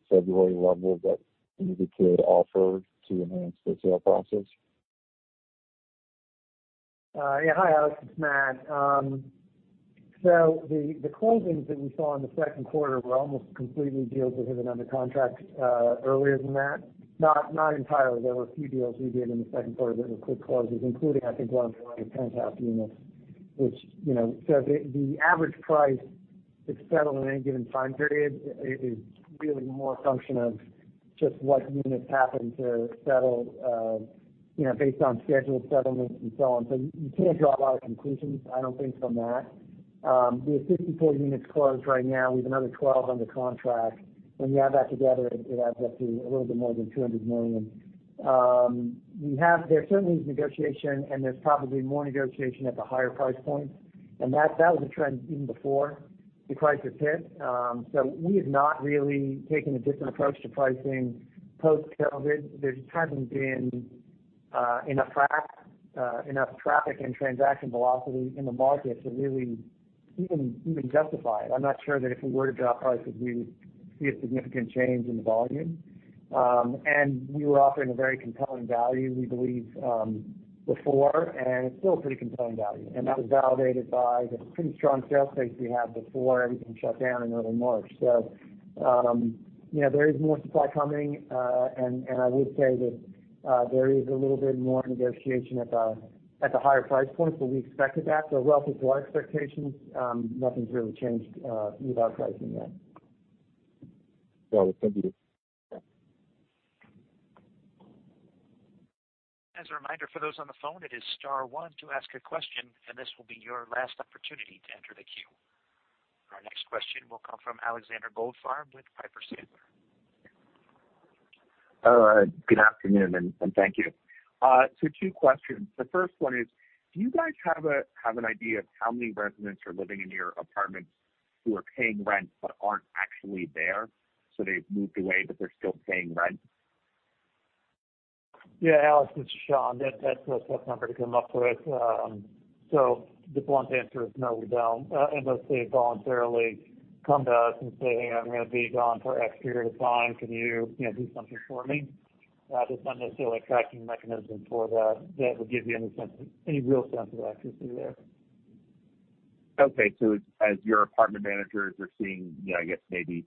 February levels that you needed to offer to enhance the sale process? Hi, Alex, it's Matt. The closings that we saw in the second quarter were almost completely deals that had been under contract earlier than that. Not entirely. There were a few deals we did in the second quarter that were quick closes, including, I think, one of the penthouse units. The average price that's settled in any given time period is really more a function of just what units happen to settle based on scheduled settlements and so on. You can't draw a lot of conclusions, I don't think, from that. We have 54 units closed right now. We have another 12 under contract. When you add that together, it adds up to a little bit more than $200 million. There certainly is negotiation, and there's probably more negotiation at the higher price points, and that was a trend even before the crisis hit. We have not really taken a different approach to pricing post-COVID. There hasn't been enough traffic and transaction velocity in the market to really even justify it. I'm not sure that if we were to drop prices, we would see a significant change in the volume. We were offering a very compelling value, we believe, before, and it's still a pretty compelling value. That was validated by the pretty strong sales pace we had before everything shut down in early March. There is more supply coming, and I would say that there is a little bit more negotiation at the higher price points, but we expected that. Relative to our expectations, nothing's really changed with our pricing yet. Got it. Thank you. Yeah. As a reminder, for those on the phone, it is star one to ask a question, and this will be your last opportunity to enter the queue. Our next question will come from Alexander Goldfarb with Piper Sandler. Good afternoon, and thank you. Two questions. The first one is, do you guys have an idea of how many residents are living in your apartments who are paying rent but aren't actually there? They've moved away, but they're still paying rent. Yeah, Alex, it's Sean. That's a tough number to come up with. The blunt answer is no, we don't. Unless they voluntarily come to us and say, "Hey, I'm going to be gone for X period of time. Can you do something for me?" There's not necessarily a tracking mechanism for that that would give you any real sense of accuracy there. As your apartment managers are seeing, I guess, maybe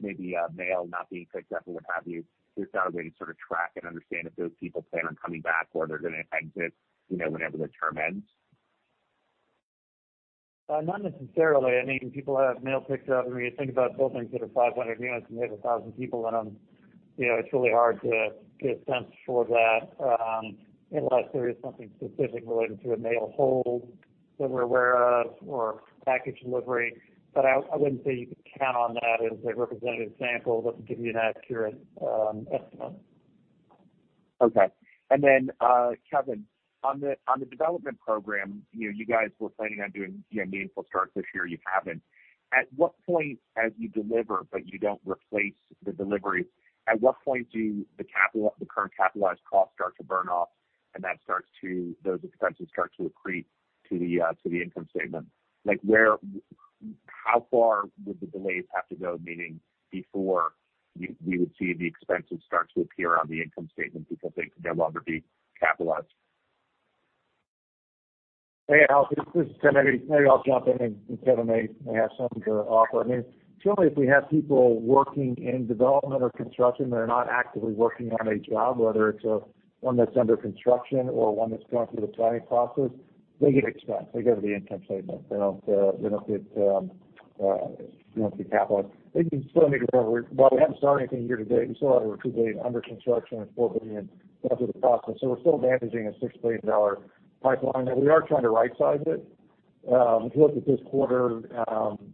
mail not being picked up or what have you, there's not a way to sort of track and understand if those people plan on coming back or they're going to exit whenever their term ends? Not necessarily. People have mail picked up. When you think about buildings that are 500 units and you have 1,000 people in them, it's really hard to get a sense for that, unless there is something specific related to a mail hold that we're aware of or package delivery. I wouldn't say you could count on that as a representative sample that would give you an accurate estimate. Okay. Kevin, on the development program, you guys were planning on doing meaningful starts this year. You haven't. At what point as you deliver, but you don't replace the delivery, at what point do the current capitalized costs start to burn off, and those expenses start to accrete to the income statement? How far would the delays have to go, meaning before you would see the expenses start to appear on the income statement because they could no longer be capitalized? Hey, Alex, this is Tim. Maybe I'll jump in, and Kevin may have something to offer. Generally, if we have people working in development or construction that are not actively working on a job, whether it's one that's under construction or one that's going through the planning process, they get expensed. They go to the income statement. They don't get capitalized. While we haven't started anything year to date, we still have over $2 billion under construction and $4 billion going through the process. We're still managing a $6 billion pipeline. Now we are trying to right-size it. If you look at this quarter,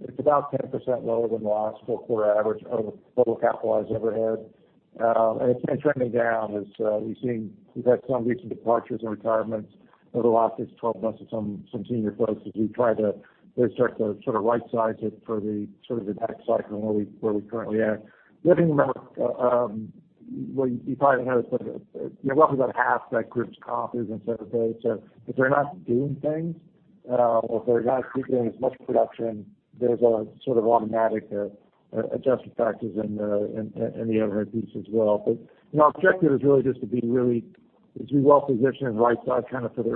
it's about 10% lower than the last four-quarter average of total capitalized overhead. It's been trending down as we've had some recent departures and retirements over the last 6-12 months of some senior folks as we try to really start to sort of right-size it for the sort of the next cycle and where we currently at. Living in that, well, you probably noticed that roughly about half that group's comp is in separate pay. If they're not doing things or if they're not doing as much production, there's a sort of automatic adjustment factors in the overhead piece as well. Our objective is really just to be well-positioned and right-sized kind of for the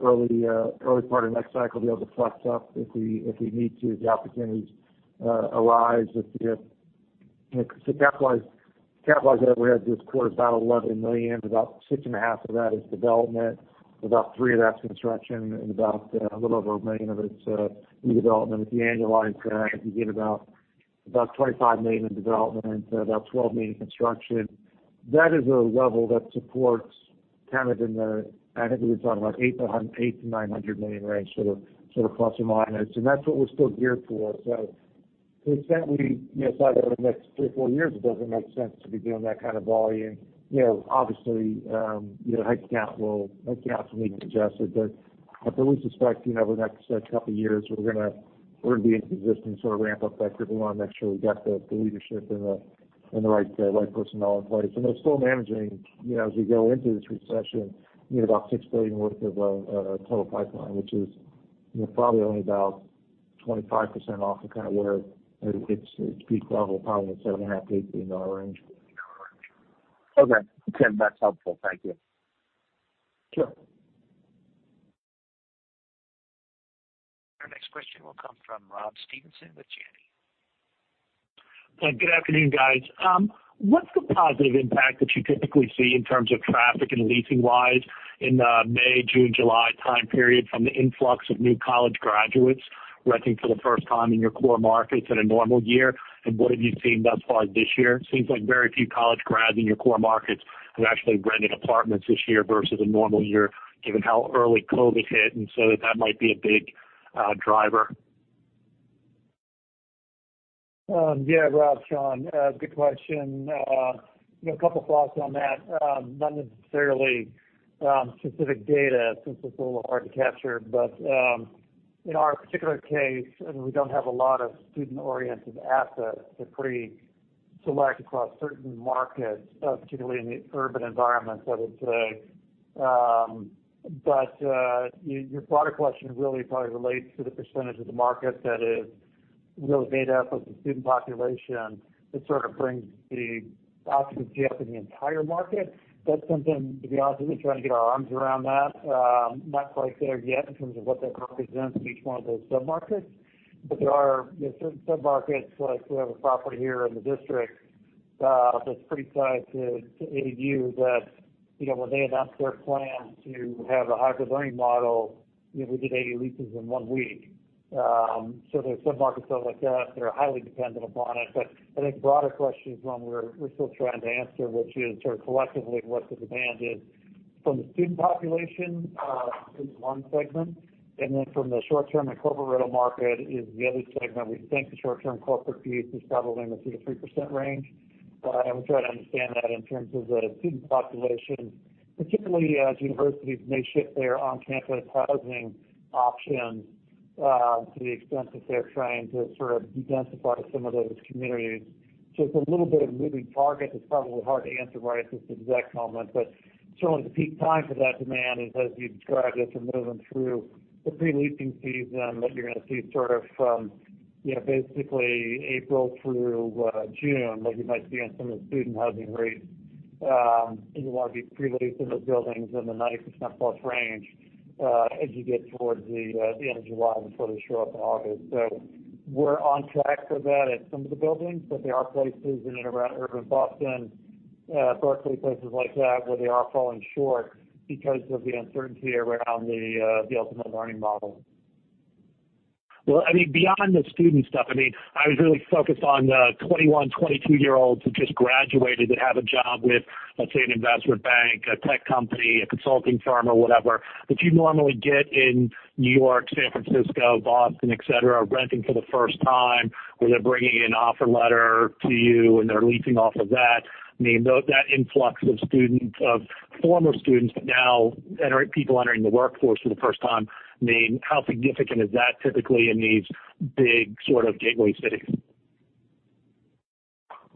early part of next cycle to be able to flex up if we need to as the opportunities arise. The capitalized overhead this quarter is about $11 million. About six and a half of that is development, about three of that's construction, and about a little over 1 million of it's new development. If you annualize that, you get about $25 million in development, about $12 million in construction. That is a level that supports kind of in the, I think we were talking about $800 million-$900 million range sort of plus or minus, and that's what we're still geared for. To the extent we saw that over the next three or four years, it doesn't make sense to be doing that kind of volume. Obviously, headcount will need to be adjusted. I fully suspect over the next couple of years, we're going to be in existence sort of ramp up that curve. We want to make sure we've got the leadership and the right personnel in place. We're still managing as we go into this recession, about $6 billion worth of total pipeline, which is probably only about 25% off of kind of where its peak level, probably in the $7.5 billion, $8 billion range. Okay. That's helpful. Thank you. Sure. Our next question will come from Rob Stevenson with Janney. Good afternoon, guys. What's the positive impact that you typically see in terms of traffic and leasing-wise in the May, June, July time period from the influx of new college graduates renting for the first time in your core markets in a normal year? What have you seen thus far this year? It seems like very few college grads in your core markets have actually rented apartments this year versus a normal year, given how early COVID hit, that might be a big driver. Rob, Sean. Good question. A couple thoughts on that. Not necessarily specific data since it's a little hard to capture. In our particular case, and we don't have a lot of student-oriented assets, they're pretty select across certain markets, particularly in the urban environments, I would say. Your broader question really probably relates to the percentage of the market that is really made up of the student population that sort of brings the occupancy up in the entire market. That's something, to be honest with you, we are trying to get our arms around. We are not quite there yet in terms of what that represents in each one of those sub-markets. There are certain sub-markets, like we have a property here in the D.C. that's pretty tied to AU that when they announced their plan to have a hybrid learning model, we did 80 leases in one week. There's some markets that are like that are highly dependent upon it. I think the broader question is one we're still trying to answer, which is sort of collectively, what the demand is from the student population is one segment, and then from the short-term and corporate rental market is the other segment. We think the short-term corporate piece is probably in the 2% to 3% range. We try to understand that in terms of the student population, particularly as universities may shift their on-campus housing options to the extent that they're trying to sort of de-densify some of those communities. It's a little bit of a moving target that's probably hard to answer right at this exact moment. Certainly the peak time for that demand is, as you described, is the moving through the pre-leasing season that you're going to see sort of from basically April through June, that you might see on some of the student housing rates. You want to be pre-leased in those buildings in the 90%+ range as you get towards the end of July before they show up in August. We're on track for that at some of the buildings, but there are places in and around urban Boston, Berkeley, places like that, where they are falling short because of the uncertainty around the ultimate learning model. Well, beyond the student stuff, I was really focused on the 21, 22-year-olds who just graduated that have a job with, let's say, an investment bank, a tech company, a consulting firm or whatever, that you'd normally get in New York, San Francisco, Boston, et cetera, renting for the first time, where they're bringing an offer letter to you and they're leasing off of that. That influx of former students now people entering the workforce for the first time, how significant is that typically in these big sort of gateway cities?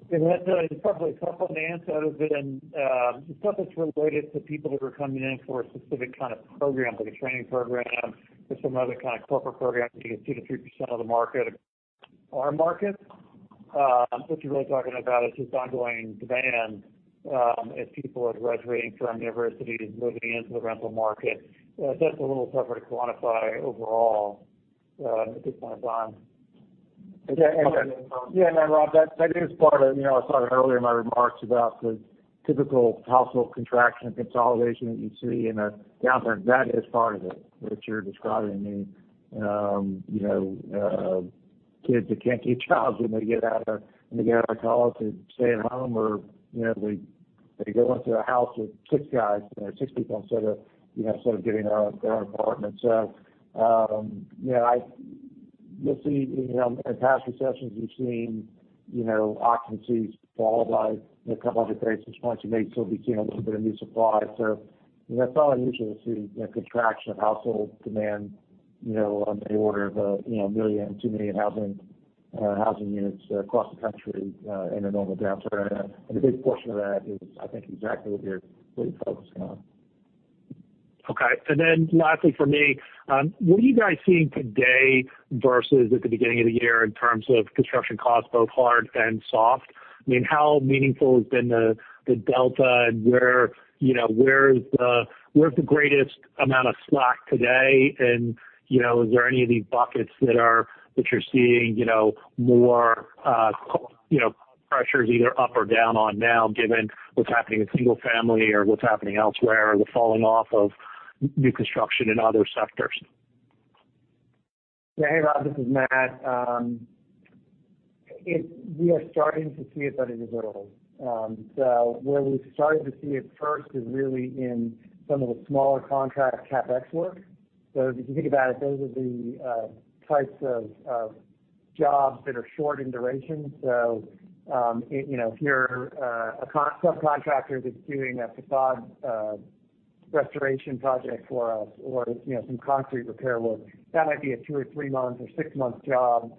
It's probably a couple of answers. The stuff that's related to people that are coming in for a specific kind of program, like a training program or some other kind of corporate program, could be 2%-3% of the market. Our market, what you're really talking about is just ongoing demand as people are graduating from universities, moving into the rental market. That's a little tougher to quantify overall at this point in time. Yeah, Rob, I was talking earlier in my remarks about the typical household contraction and consolidation that you see in a downturn. That is part of it, what you're describing. Kids that can't get jobs when they get out of college and stay at home, or they go into a house with six people instead of getting their own apartment. You'll see in past recessions, we've seen occupancies fall by a couple hundred basis points as they still became a little bit of new supply. It's not unusual to see a contraction of household demand on the order of 1 million, 2 million housing units across the country in a normal downturn. A big portion of that is, I think, exactly what you're really focusing on. Okay. Lastly for me, what are you guys seeing today versus at the beginning of the year in terms of construction costs, both hard and soft? How meaningful has been the delta, and where's the greatest amount of slack today, and is there any of these buckets that you're seeing more pressures either up or down on now, given what's happening with single family or what's happening elsewhere, the falling off of new construction in other sectors? Yeah. Hey, Rob, this is Matt. We are starting to see it, but it is little. Where we started to see it first is really in some of the smaller contract CapEx work If you think about it, those are the types of jobs that are short in duration. If you're a subcontractor that's doing a facade restoration project for us or some concrete repair work, that might be a two or three-month or six-month job.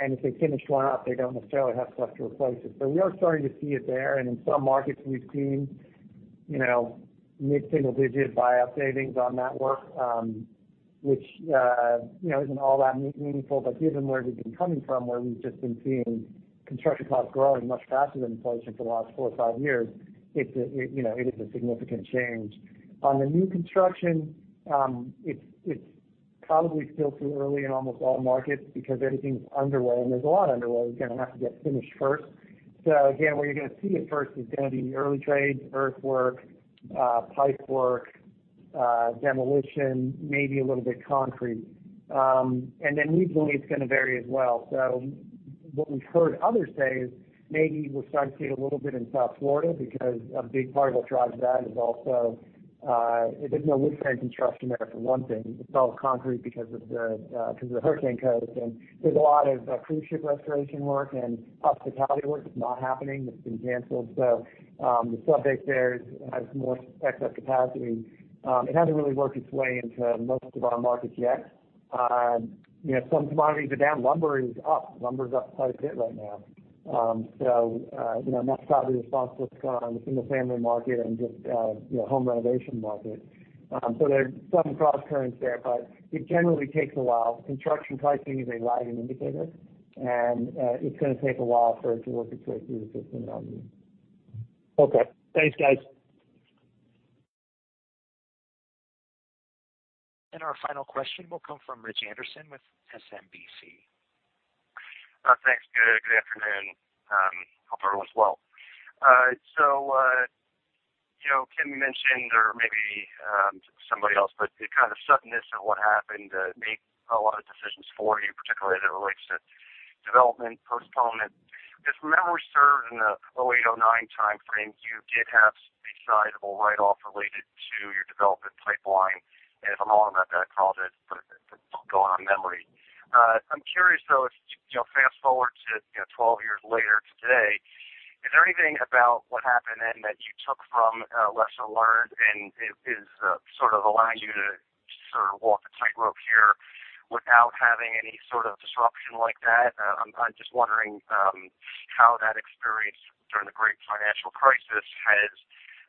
If they finish one up, they don't necessarily have stuff to replace it. We are starting to see it there. In some markets, we've seen mid-single digit buy-up savings on that work, which isn't all that meaningful, but given where we've been coming from, where we've just been seeing construction costs growing much faster than inflation for the last four or five years, it is a significant change. On the new construction, it's probably still too early in almost all markets because everything's underway, and there's a lot underway that's going to have to get finished first. Again, where you're going to see it first is going to be in the early trades, earthwork, pipe work, demolition, maybe a little bit concrete. Regionally, it's going to vary as well. What we've heard others say is maybe we'll start to see it a little bit in South Florida because a big part of what drives that is also, there's no wood frame construction there, for one thing. It's all concrete because of the hurricane codes. There's a lot of cruise ship restoration work and hospitality work that's not happening, that's been canceled. The subject there has more excess capacity. It hasn't really worked its way into most of our markets yet. Some commodities are down. Lumber is up. Lumber is up quite a bit right now. That's probably a response what's gone on in the single-family market and just home renovation market. There's some cross-currents there, but it generally takes a while. Construction pricing is a lagging indicator, it's going to take a while for it to work its way through the system. Okay. Thanks, guys. Our final question will come from Rich Anderson with SMBC. Thanks. Good afternoon. Hope everyone's well. Tim mentioned, or maybe somebody else, but the kind of suddenness of what happened made a lot of decisions for you, particularly as it relates to development postponement. If memory serves, in the 2008, 2009 time frame, you did have a sizable write-off related to your development pipeline. And if I'm wrong on that, I apologize, but going on memory. I'm curious, though, if you fast-forward to 12 years later today, is there anything about what happened then that you took from, a lesson learned, and is sort of allowing you to sort of walk a tightrope here without having any sort of disruption like that? I'm just wondering how that experience during the Great Financial Crisis has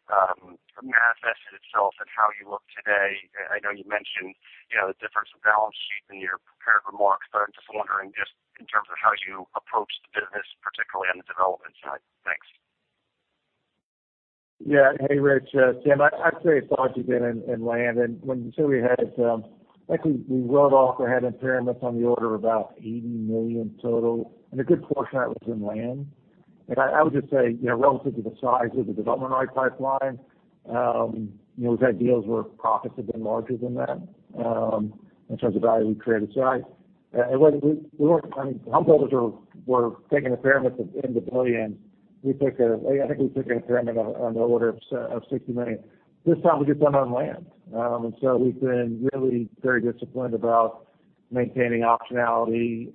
manifested itself in how you look today. I know you mentioned the difference in balance sheet in your prepared remarks, but I'm just wondering just in terms of how you approach the business, particularly on the development side. Thanks. Yeah. Hey, Rich. Tim, I'd say it's largely been in land. When you say we had, I think we wrote off or had impairments on the order of about $80 million total, and a good portion of that was in land. Look, I would just say, relative to the size of the development pipeline, we've had deals where profits have been larger than that in terms of value we've created. Home builders were taking impairments of into billions. I think we took an impairment on the order of $60 million. This time, we just done it on land. We've been really very disciplined about maintaining optionality.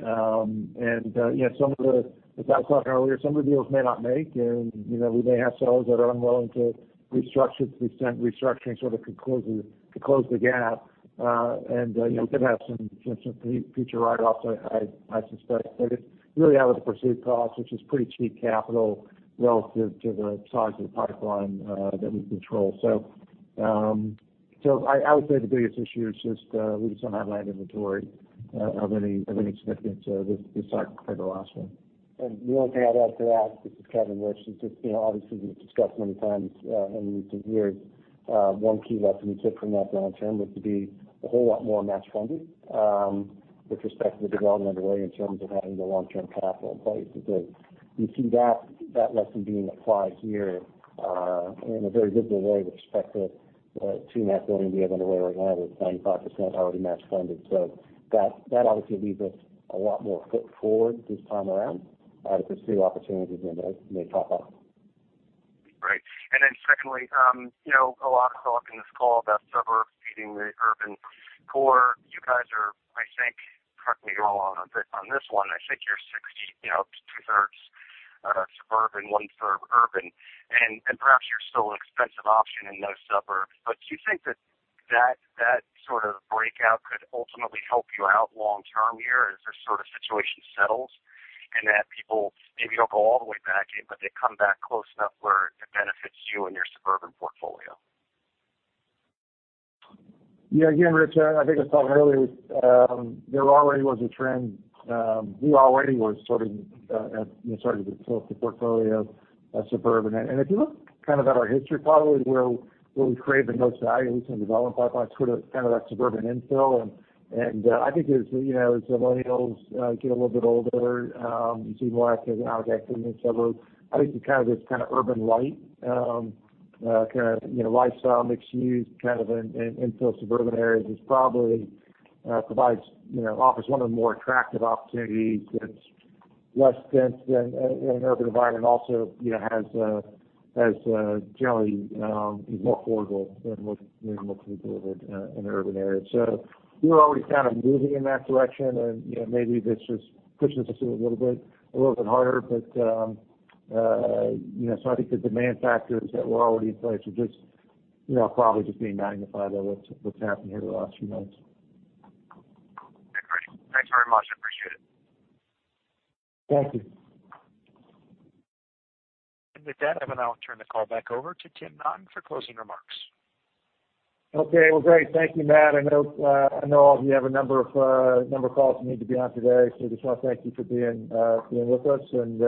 As I was talking earlier, some of the deals may not make, and we may have sellers that are unwilling to restructure to the extent restructuring sort of could close the gap. We could have some future write-offs, I suspect. It really was a perceived cost, which is pretty cheap capital relative to the size of the pipeline that we control. I would say the biggest issue is just we just don't have land inventory of any significance aside from the last one. The only thing I'd add to that, this is Kevin, Rich, is just obviously we've discussed many times in recent years, one key lesson we took from that long-term was to be a whole lot more match funded with respect to the development underway in terms of having the long-term capital in place. You see that lesson being applied here in a very visible way with respect to underway right now that are 95% already match funded. That obviously leaves us a lot more foot forward this time around if there's new opportunities and they pop up. Great. Then secondly, a lot of talk in this call about suburbs beating the urban core. You guys are, I think, correct me if I'm wrong on this one, I think you're 60, 2/3 suburban, 1/3 urban. Perhaps you're still an expensive option in those suburbs, but do you think that sort of breakout could ultimately help you out long term here as this sort of situation settles, in that people maybe don't go all the way back in, but they come back close enough where it benefits you and your suburban portfolio? Again, Rich, I think I said earlier, there already was a trend. We already were starting to tilt the portfolio suburban. If you look kind of at our history, probably where we've created the most value, at least in development pipelines, sort of kind of that suburban infill. I think as millennials get a little bit older, you see more activity out there in the suburbs. I think this kind of urban light kind of lifestyle, mixed use kind of in infill suburban areas probably offers one of the more attractive opportunities that's less dense than an urban environment also generally is more affordable than what can be delivered in an urban area. We were already kind of moving in that direction, and maybe this just pushes us a little bit harder. I think the demand factors that were already in place are just probably just being magnified by what's happened here the last few months. Great. Thanks very much. I appreciate it. Thank you. With that, I will now turn the call back over to Tim Naughton for closing remarks. Okay. Well, great. Thank you, Matt. I know all of you have a number of calls you need to be on today, so we just want to thank you for being with us, and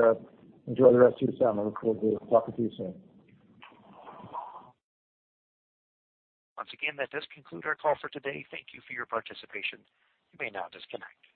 enjoy the rest of your summer. We'll talk with you soon. Once again, that does conclude our call for today. Thank you for your participation. You may now disconnect.